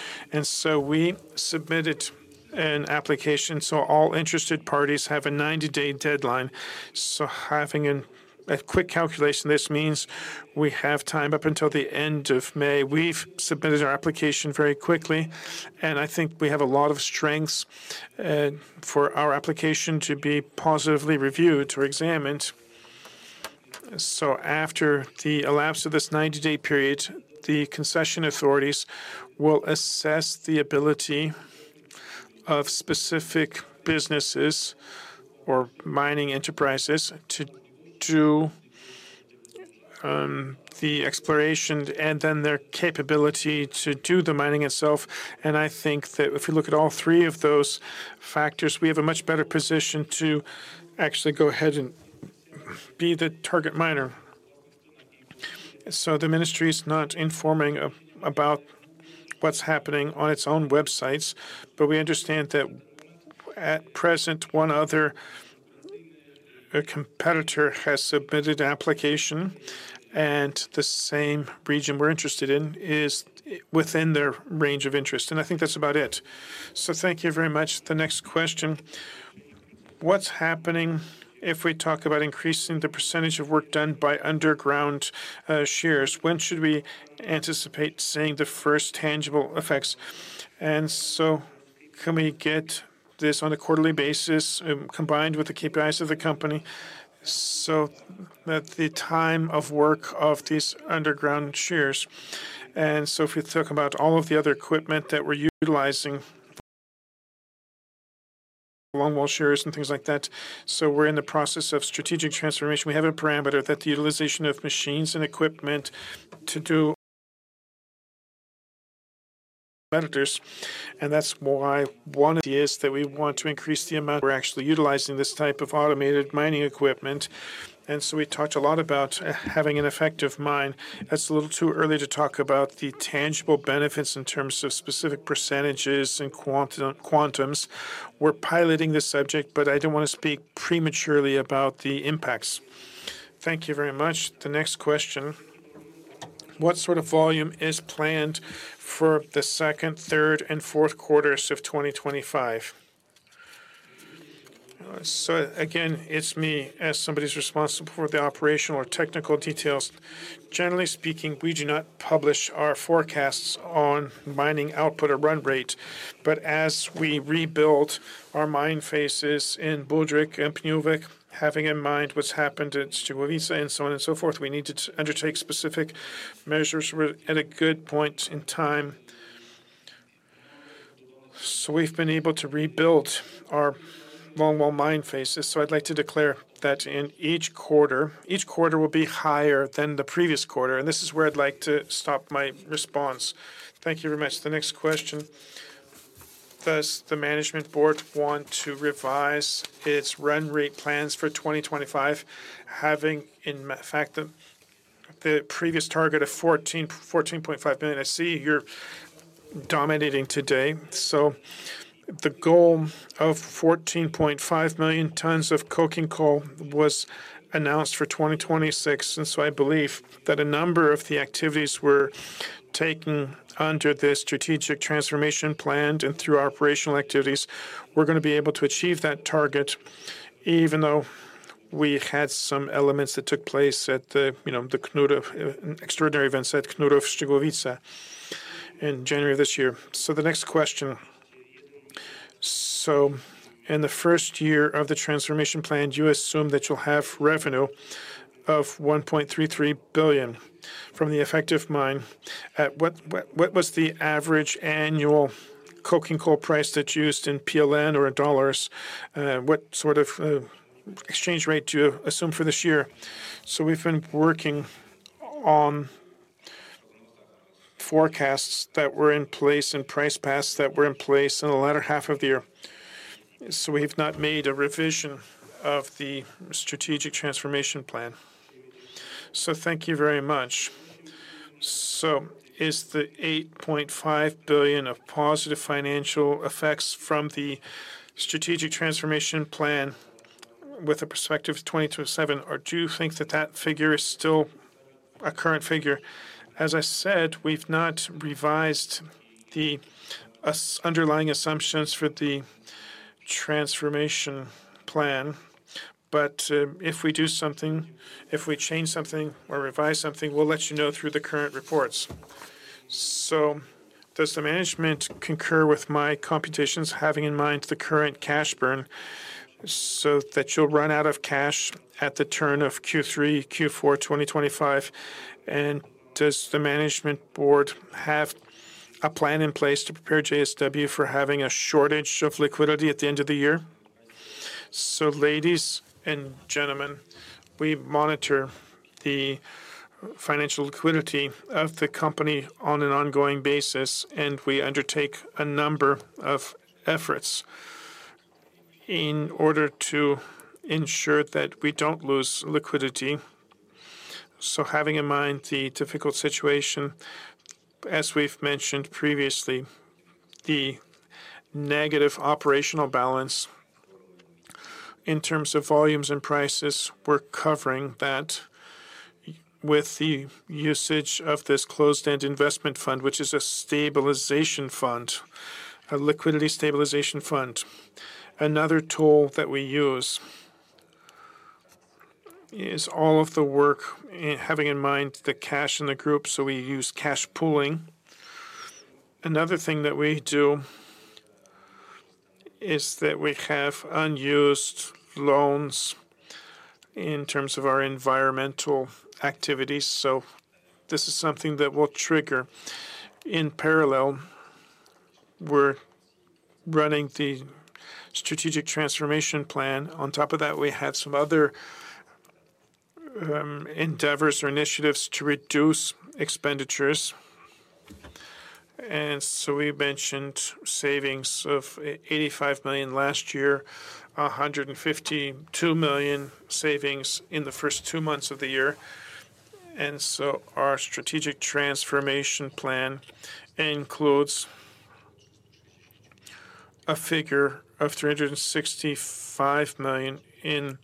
We submitted an application. All interested parties have a 90-day deadline. Having a quick calculation, this means we have time up until the end of May. We've submitted our application very quickly, and I think we have a lot of strengths for our application to be positively reviewed or examined. After the elapse of this 90-day period, the concession authorities will assess the ability of specific businesses or mining enterprises to do the exploration and then their capability to do the mining itself. I think that if we look at all three of those factors, we have a much better position to actually go ahead and be the target miner. The ministry is not informing about what's happening on its own websites, but we understand that at present, one other competitor has submitted an application, and the same region we're interested in is within their range of interest. I think that's about it. Thank you very much. The next question. What's happening if we talk about increasing the percentage of work done by underground shears? When should we anticipate seeing the first tangible effects? Can we get this on a quarterly basis combined with the KPIs of the company so that the time of work of these underground shears? If we talk about all of the other equipment that we're utilizing, longwall shears and things like that, we're in the process of strategic transformation. We have a parameter that the utilization of machines and equipment to do benefits. That's why one idea is that we want to increase the amount we're actually utilizing this type of automated mining equipment. We talked a lot about having an effective mine. It's a little too early to talk about the tangible benefits in terms of specific percentages and quantums. We're piloting this subject, but I don't want to speak prematurely about the impacts. Thank you very much. The next question. What sort of volume is planned for the second, third, and fourth quarters of 2025? Again, it's me as somebody who's responsible for the operational or technical details. Generally speaking, we do not publish our forecasts on mining output or run rate, but as we rebuild our mine faces in Budryk and Pniówek, having in mind what's happened at Ściełowice and so on and so forth, we need to undertake specific measures at a good point in time. We have been able to rebuild our longwall mine faces. I'd like to declare that in each quarter, each quarter will be higher than the previous quarter. This is where I'd like to stop my response. Thank you very much. The next question. Does the management board want to revise its run rate plans for 2025, having in fact the previous target of 14.5 million? I see you're dominating today. The goal of 14.5 million tons of coking coal was announced for 2026. I believe that a number of the activities were taken under the strategic transformation planned and through our operational activities, we're going to be able to achieve that target, even though we had some elements that took place at the extraordinary events at Ściełowice in January of this year. The next question. In the first year of the transformation plan, you assume that you'll have revenue of 1.33 billion from the effective mine. What was the average annual coking coal price that's used in PLN or in dollars? What sort of exchange rate do you assume for this year? We've been working on forecasts that were in place and price paths that were in place in the latter half of the year. We have not made a revision of the strategic transformation plan. Thank you very much. Is the 8.5 billion of positive financial effects from the strategic transformation plan with a perspective of 2027, or do you think that figure is still a current figure? As I said, we've not revised the underlying assumptions for the transformation plan, but if we do something, if we change something or revise something, we'll let you know through the current reports. Does the management concur with my computations, having in mind the current cash burn so that you'll run out of cash at the turn of Q3-Q4 2025? Does the management board have a plan in place to prepare JSW for having a shortage of liquidity at the end of the year? Ladies and gentlemen, we monitor the financial liquidity of the company on an ongoing basis, and we undertake a number of efforts in order to ensure that we do not lose liquidity. Having in mind the difficult situation, as we have mentioned previously, the negative operational balance in terms of volumes and prices, we are covering that with the usage of this closed-end investment fund, which is a stabilization fund, a liquidity stabilization fund. Another tool that we use is all of the work, having in mind the cash in the group, so we use cash pooling. Another thing that we do is that we have unused loans in terms of our environmental activities. This is something that will trigger. In parallel, we are running the strategic transformation plan. On top of that, we have some other endeavors or initiatives to reduce expenditures. We mentioned savings of 85 million last year, 152 million savings in the first two months of the year. Our strategic transformation plan includes a figure of 365 million in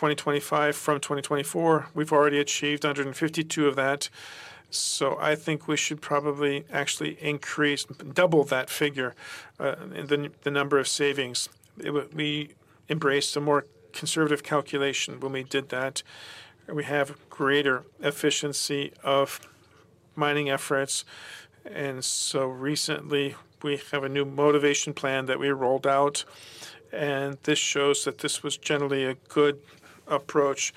2025 from 2024. We've already achieved 152 million of that. I think we should probably actually increase, double that figure, the number of savings. We embraced a more conservative calculation when we did that. We have greater efficiency of mining efforts. Recently, we have a new motivation plan that we rolled out. This shows that this was generally a good approach.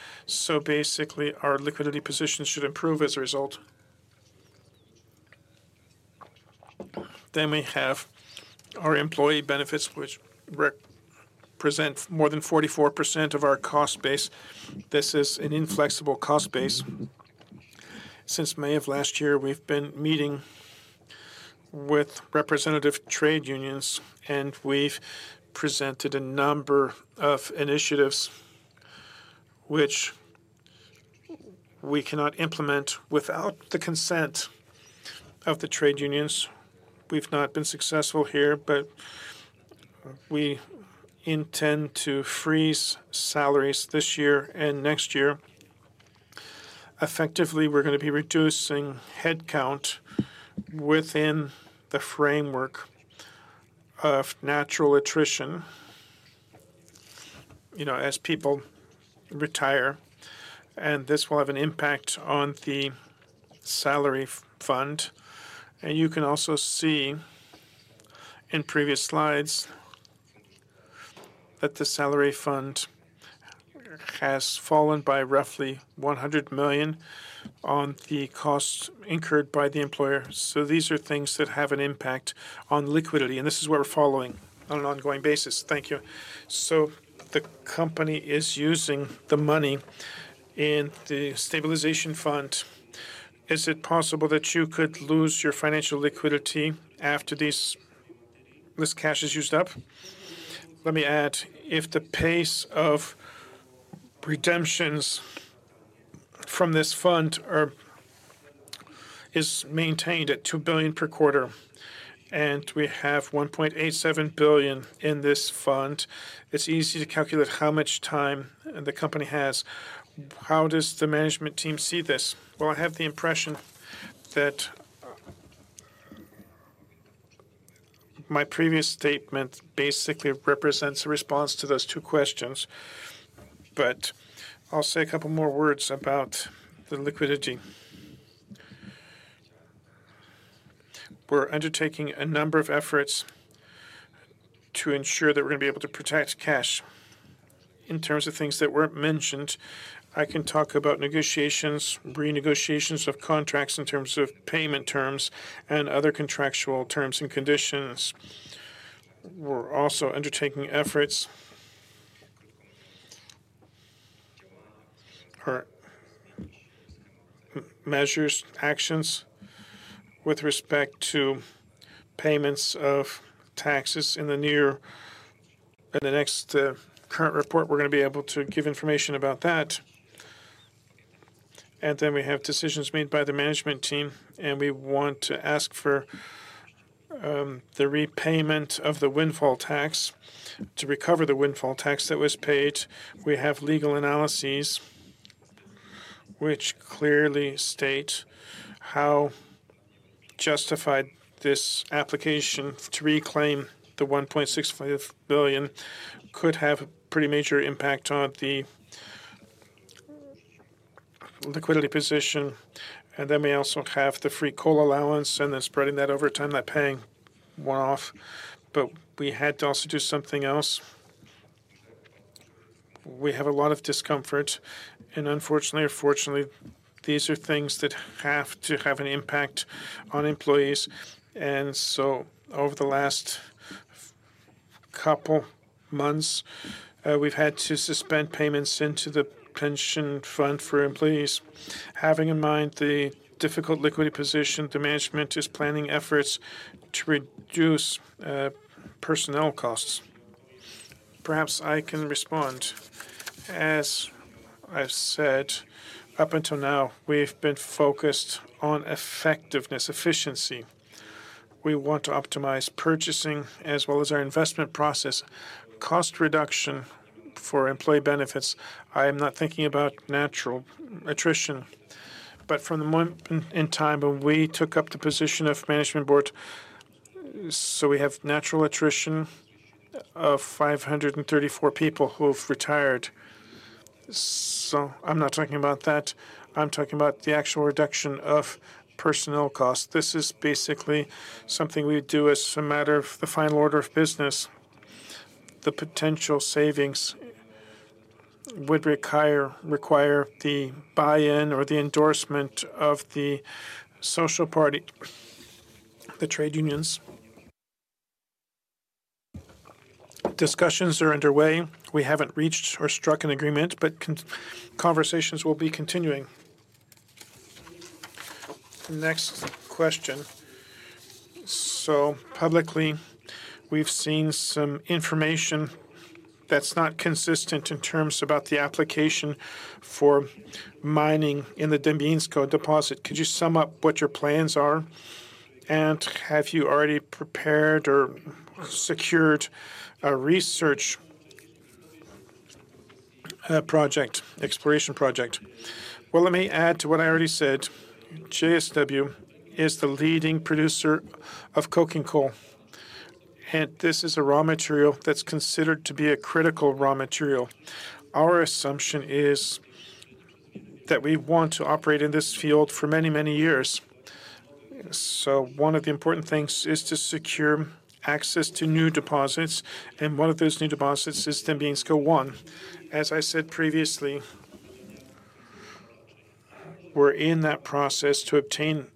Basically, our liquidity positions should improve as a result. We have our employee benefits, which represent more than 44% of our cost base. This is an inflexible cost base. Since May of last year, we've been meeting with representative trade unions, and we've presented a number of initiatives which we cannot implement without the consent of the trade unions. We've not been successful here, but we intend to freeze salaries this year and next year. Effectively, we're going to be reducing headcount within the framework of natural attrition as people retire. This will have an impact on the salary fund. You can also see in previous slides that the salary fund has fallen by roughly 100 million on the costs incurred by the employer. These are things that have an impact on liquidity. This is what we're following on an ongoing basis. Thank you. The company is using the money in the stabilization fund. Is it possible that you could lose your financial liquidity after this cash is used up? Let me add, if the pace of redemptions from this fund is maintained at 2 billion per quarter and we have 1.87 billion in this fund, it's easy to calculate how much time the company has. How does the management team see this? I have the impression that my previous statement basically represents a response to those two questions, but I'll say a couple more words about the liquidity. We're undertaking a number of efforts to ensure that we're going to be able to protect cash. In terms of things that weren't mentioned, I can talk about negotiations, renegotiations of contracts in terms of payment terms and other contractual terms and conditions. We're also undertaking efforts or measures, actions with respect to payments of taxes in the next current report. We're going to be able to give information about that. We have decisions made by the management team, and we want to ask for the repayment of the windfall tax to recover the windfall tax that was paid. We have legal analyses which clearly state how justified this application to reclaim the 1.65 billion could have a pretty major impact on the liquidity position. We also have the free coal allowance, and then spreading that over time, that paying went off. We had to also do something else. We have a lot of discomfort. Unfortunately or fortunately, these are things that have to have an impact on employees. Over the last couple months, we've had to suspend payments into the pension fund for employees. Having in mind the difficult liquidity position, the management is planning efforts to reduce personnel costs. Perhaps I can respond. As I've said, up until now, we've been focused on effectiveness, efficiency. We want to optimize purchasing as well as our investment process. Cost reduction for employee benefits. I am not thinking about natural attrition, but from the moment in time when we took up the position of management board, so we have natural attrition of 534 people who've retired. I am not talking about that. I am talking about the actual reduction of personnel costs. This is basically something we do as a matter of the final order of business. The potential savings would require the buy-in or the endorsement of the social party, the trade unions. Discussions are underway. We haven't reached or struck an agreement, but conversations will be continuing. Next question. Publicly, we've seen some information that's not consistent in terms about the application for mining in the Dębieńsko deposit. Could you sum up what your plans are? And have you already prepared or secured a research project, exploration project? Let me add to what I already said. JSW is the leading producer of coking coal. This is a raw material that's considered to be a critical raw material. Our assumption is that we want to operate in this field for many, many years. One of the important things is to secure access to new deposits. One of those new deposits is Dębieńsko 1. As I said previously, we're in that process to obtain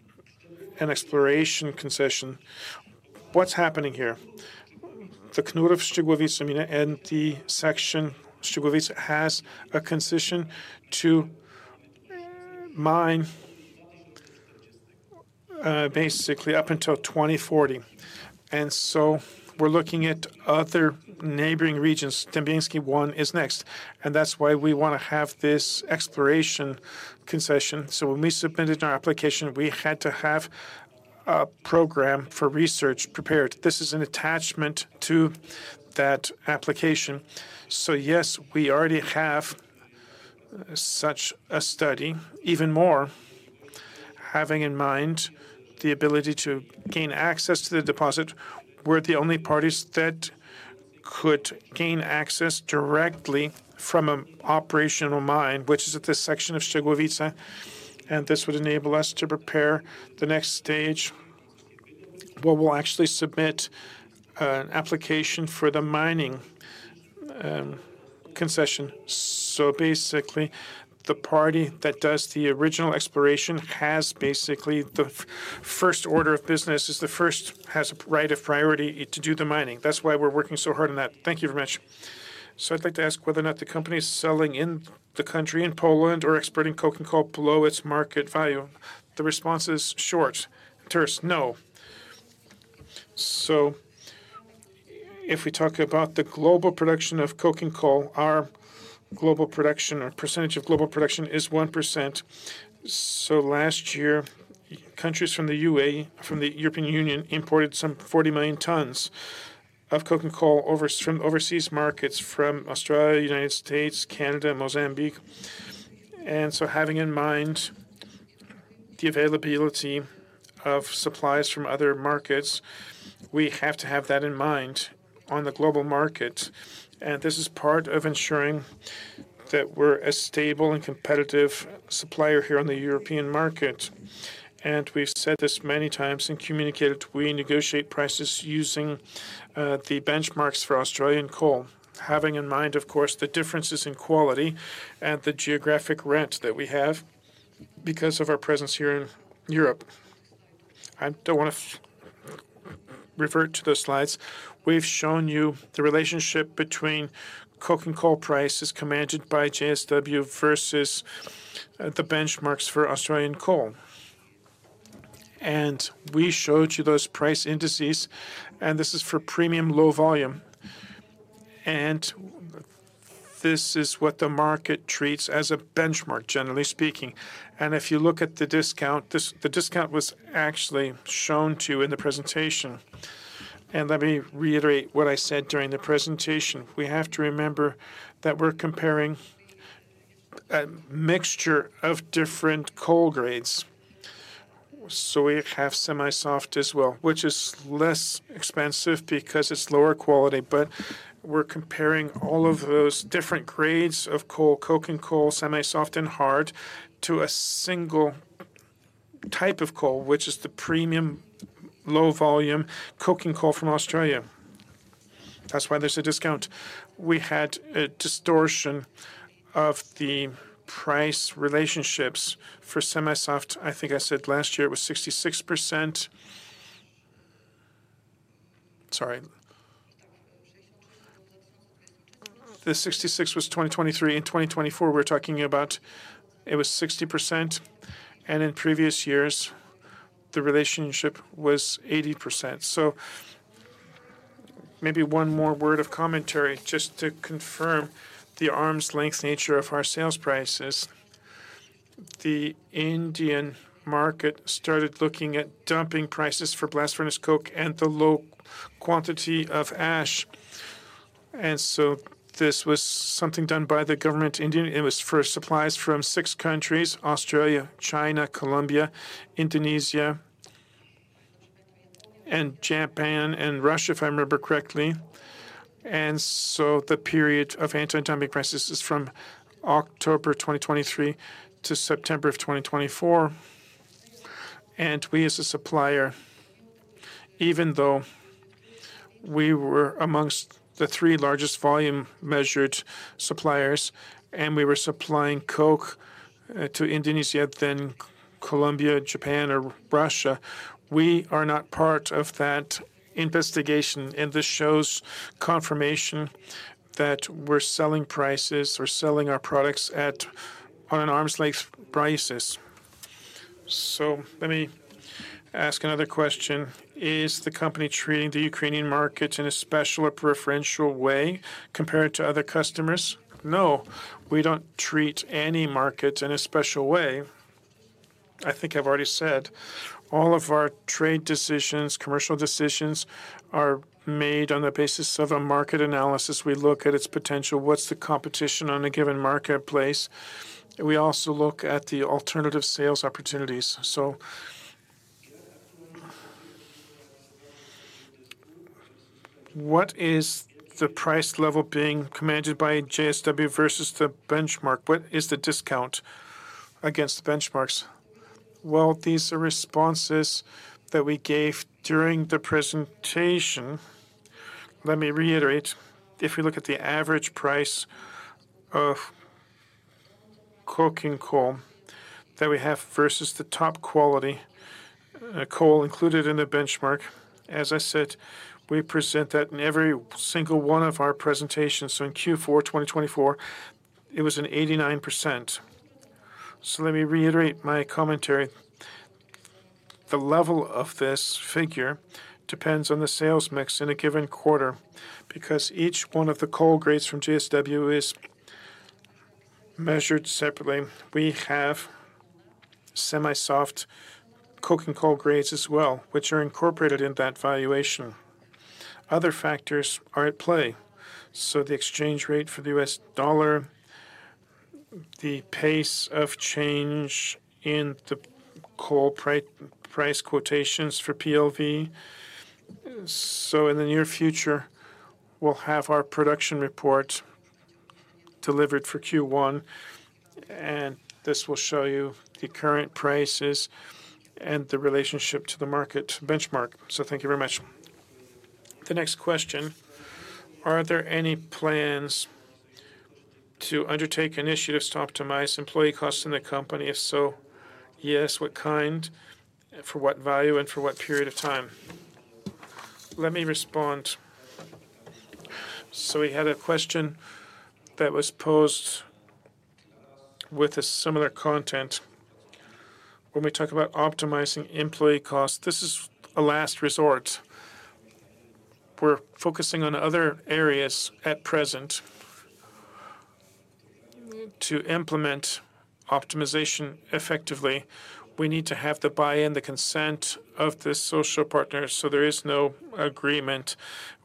an exploration concession. What's happening here? The Knurów-Ściełowice and the section Ściełowice has a concession to mine basically up until 2040. We are looking at other neighboring regions. Dębieńsko 1 is next. That's why we want to have this exploration concession. When we submitted our application, we had to have a program for research prepared. This is an attachment to that application. Yes, we already have such a study. Even more, having in mind the ability to gain access to the deposit, we're the only parties that could gain access directly from an operational mine, which is at the section of Ściełowice. This would enable us to prepare the next stage where we'll actually submit an application for the mining concession. Basically, the party that does the original exploration has the first order of business and has a right of priority to do the mining. That's why we're working so hard on that. Thank you very much. I'd like to ask whether or not the company is selling in the country, in Poland, or exporting coking coal below its market value. The response is short. Terse, no. If we talk about the global production of coking coal, our global production or percentage of global production is 1%. Last year, countries from the European Union imported some 40 million tons of coking coal from overseas markets from Australia, the United States, Canada, Mozambique. Having in mind the availability of supplies from other markets, we have to have that in mind on the global market. This is part of ensuring that we're a stable and competitive supplier here on the European market. We've said this many times and communicated we negotiate prices using the benchmarks for Australian coal, having in mind, of course, the differences in quality and the geographic rent that we have because of our presence here in Europe. I don't want to revert to those slides. We've shown you the relationship between coking coal prices commanded by JSW versus the benchmarks for Australian coal. We showed you those price indices, and this is for premium low volatility. This is what the market treats as a benchmark, generally speaking. If you look at the discount, the discount was actually shown to you in the presentation. Let me reiterate what I said during the presentation. We have to remember that we're comparing a mixture of different coal grades. We have semi-soft as well, which is less expensive because it's lower quality. We're comparing all of those different grades of coal, coking coal, semi-soft, and hard to a single type of coal, which is the premium low volatility coking coal from Australia. That's why there's a discount. We had a distortion of the price relationships for semi-soft. I think I said last year it was 66%. Sorry. The 66 was 2023. In 2024, we're talking about it was 60%. In previous years, the relationship was 80%. Maybe one more word of commentary just to confirm the arm's length nature of our sales prices. The Indian market started looking at dumping prices for blast furnace coke and the low quantity of ash. This was something done by the government. It was for supplies from six countries: Australia, China, Colombia, Indonesia, Japan, and Russia, if I remember correctly. The period of anti-dumping crisis is from October 2023 to September 2024. We as a supplier, even though we were amongst the three largest volume measured suppliers, and we were supplying coke to Indonesia, then Colombia, Japan, or Russia, we are not part of that investigation. This shows confirmation that we're selling prices or selling our products at arm's length prices. Let me ask another question. Is the company treating the Ukrainian market in a special or preferential way compared to other customers? No. We don't treat any market in a special way. I think I've already said all of our trade decisions, commercial decisions are made on the basis of a market analysis. We look at its potential, what's the competition on a given marketplace. We also look at the alternative sales opportunities. What is the price level being commanded by JSW versus the benchmark? What is the discount against the benchmarks? These are responses that we gave during the presentation. Let me reiterate. If we look at the average price of coking coal that we have versus the top quality coal included in the benchmark, as I said, we present that in every single one of our presentations. In Q4 2024, it was an 89%. Let me reiterate my commentary. The level of this figure depends on the sales mix in a given quarter because each one of the coal grades from JSW is measured separately. We have semi-soft coking coal grades as well, which are incorporated in that valuation. Other factors are at play. The exchange rate for the U.S. dollar, the pace of change in the coal price quotations for PLV. In the near future, we will have our production report delivered for Q1, and this will show you the current prices and the relationship to the market benchmark. Thank you very much. The next question, are there any plans to undertake initiatives to optimize employee costs in the company? If so, yes, what kind, for what value, and for what period of time? Let me respond. We had a question that was posed with a similar content. When we talk about optimizing employee costs, this is a last resort. We're focusing on other areas at present. To implement optimization effectively, we need to have the buy-in, the consent of the social partner. There is no agreement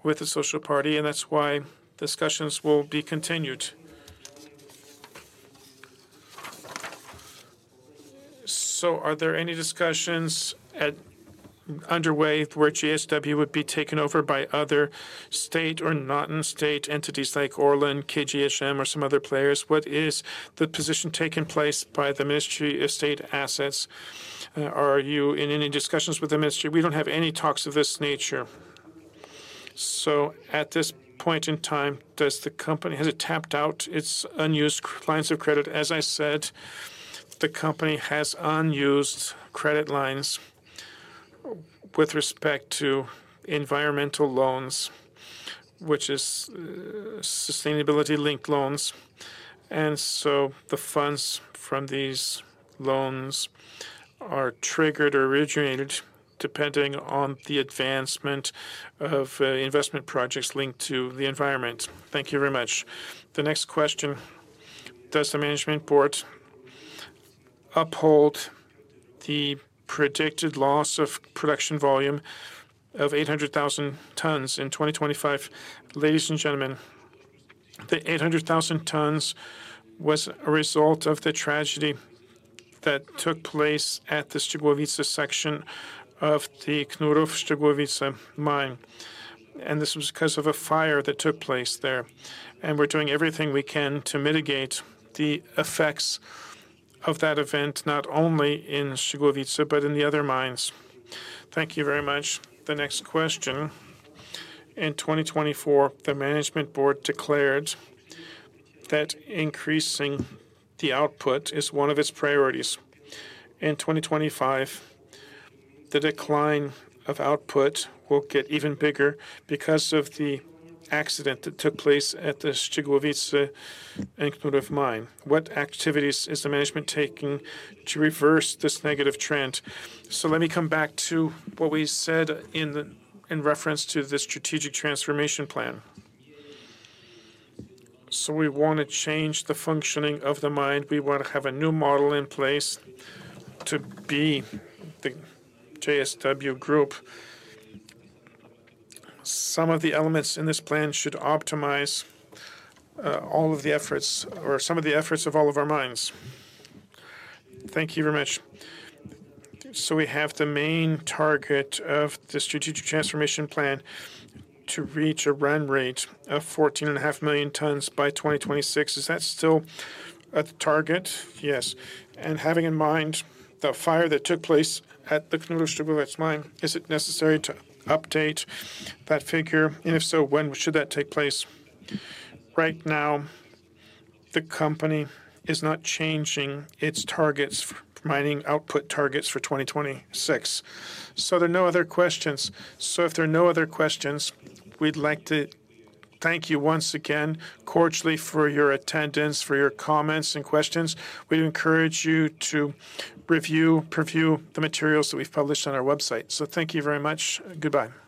with the social party, and that's why discussions will be continued. Are there any discussions underway where JSW would be taken over by other state or non-state entities like Orlen, KGHM, or some other players? What is the position taken place by the Ministry of State Assets? Are you in any discussions with the Ministry? We don't have any talks of this nature. At this point in time, does the company have tapped out its unused lines of credit? As I said, the company has unused credit lines with respect to environmental loans, which is sustainability-linked loans. The funds from these loans are triggered or originated depending on the advancement of investment projects linked to the environment. Thank you very much. The next question. Does the management board uphold the predicted loss of production volume of 800,000 tons in 2025? Ladies and gentlemen, the 800,000 tons was a result of the tragedy that took place at the Ściełowice section of the Knurów-Ściełowice Mine. This was because of a fire that took place there. We are doing everything we can to mitigate the effects of that event, not only in Ściełowice, but in the other mines. Thank you very much. The next question. In 2024, the management board declared that increasing the output is one of its priorities. In 2025, the decline of output will get even bigger because of the accident that took place at the Ściełowice and Knurów mine. What activities is the management taking to reverse this negative trend? Let me come back to what we said in reference to the strategic transformation plan. We want to change the functioning of the mine. We want to have a new model in place to be the JSW Group. Some of the elements in this plan should optimize all of the efforts or some of the efforts of all of our mines. Thank you very much. We have the main target of the strategic transformation plan to reach a run rate of 14.5 million tons by 2026. Is that still a target? Yes. Having in mind the fire that took place at the Knurów-Ściełowice mine, is it necessary to update that figure? If so, when should that take place? Right now, the company is not changing its targets for mining output targets for 2026. There are no other questions. If there are no other questions, we'd like to thank you once again, cordially, for your attendance, for your comments and questions. We encourage you to review the materials that we've published on our website. Thank you very much. Goodbye.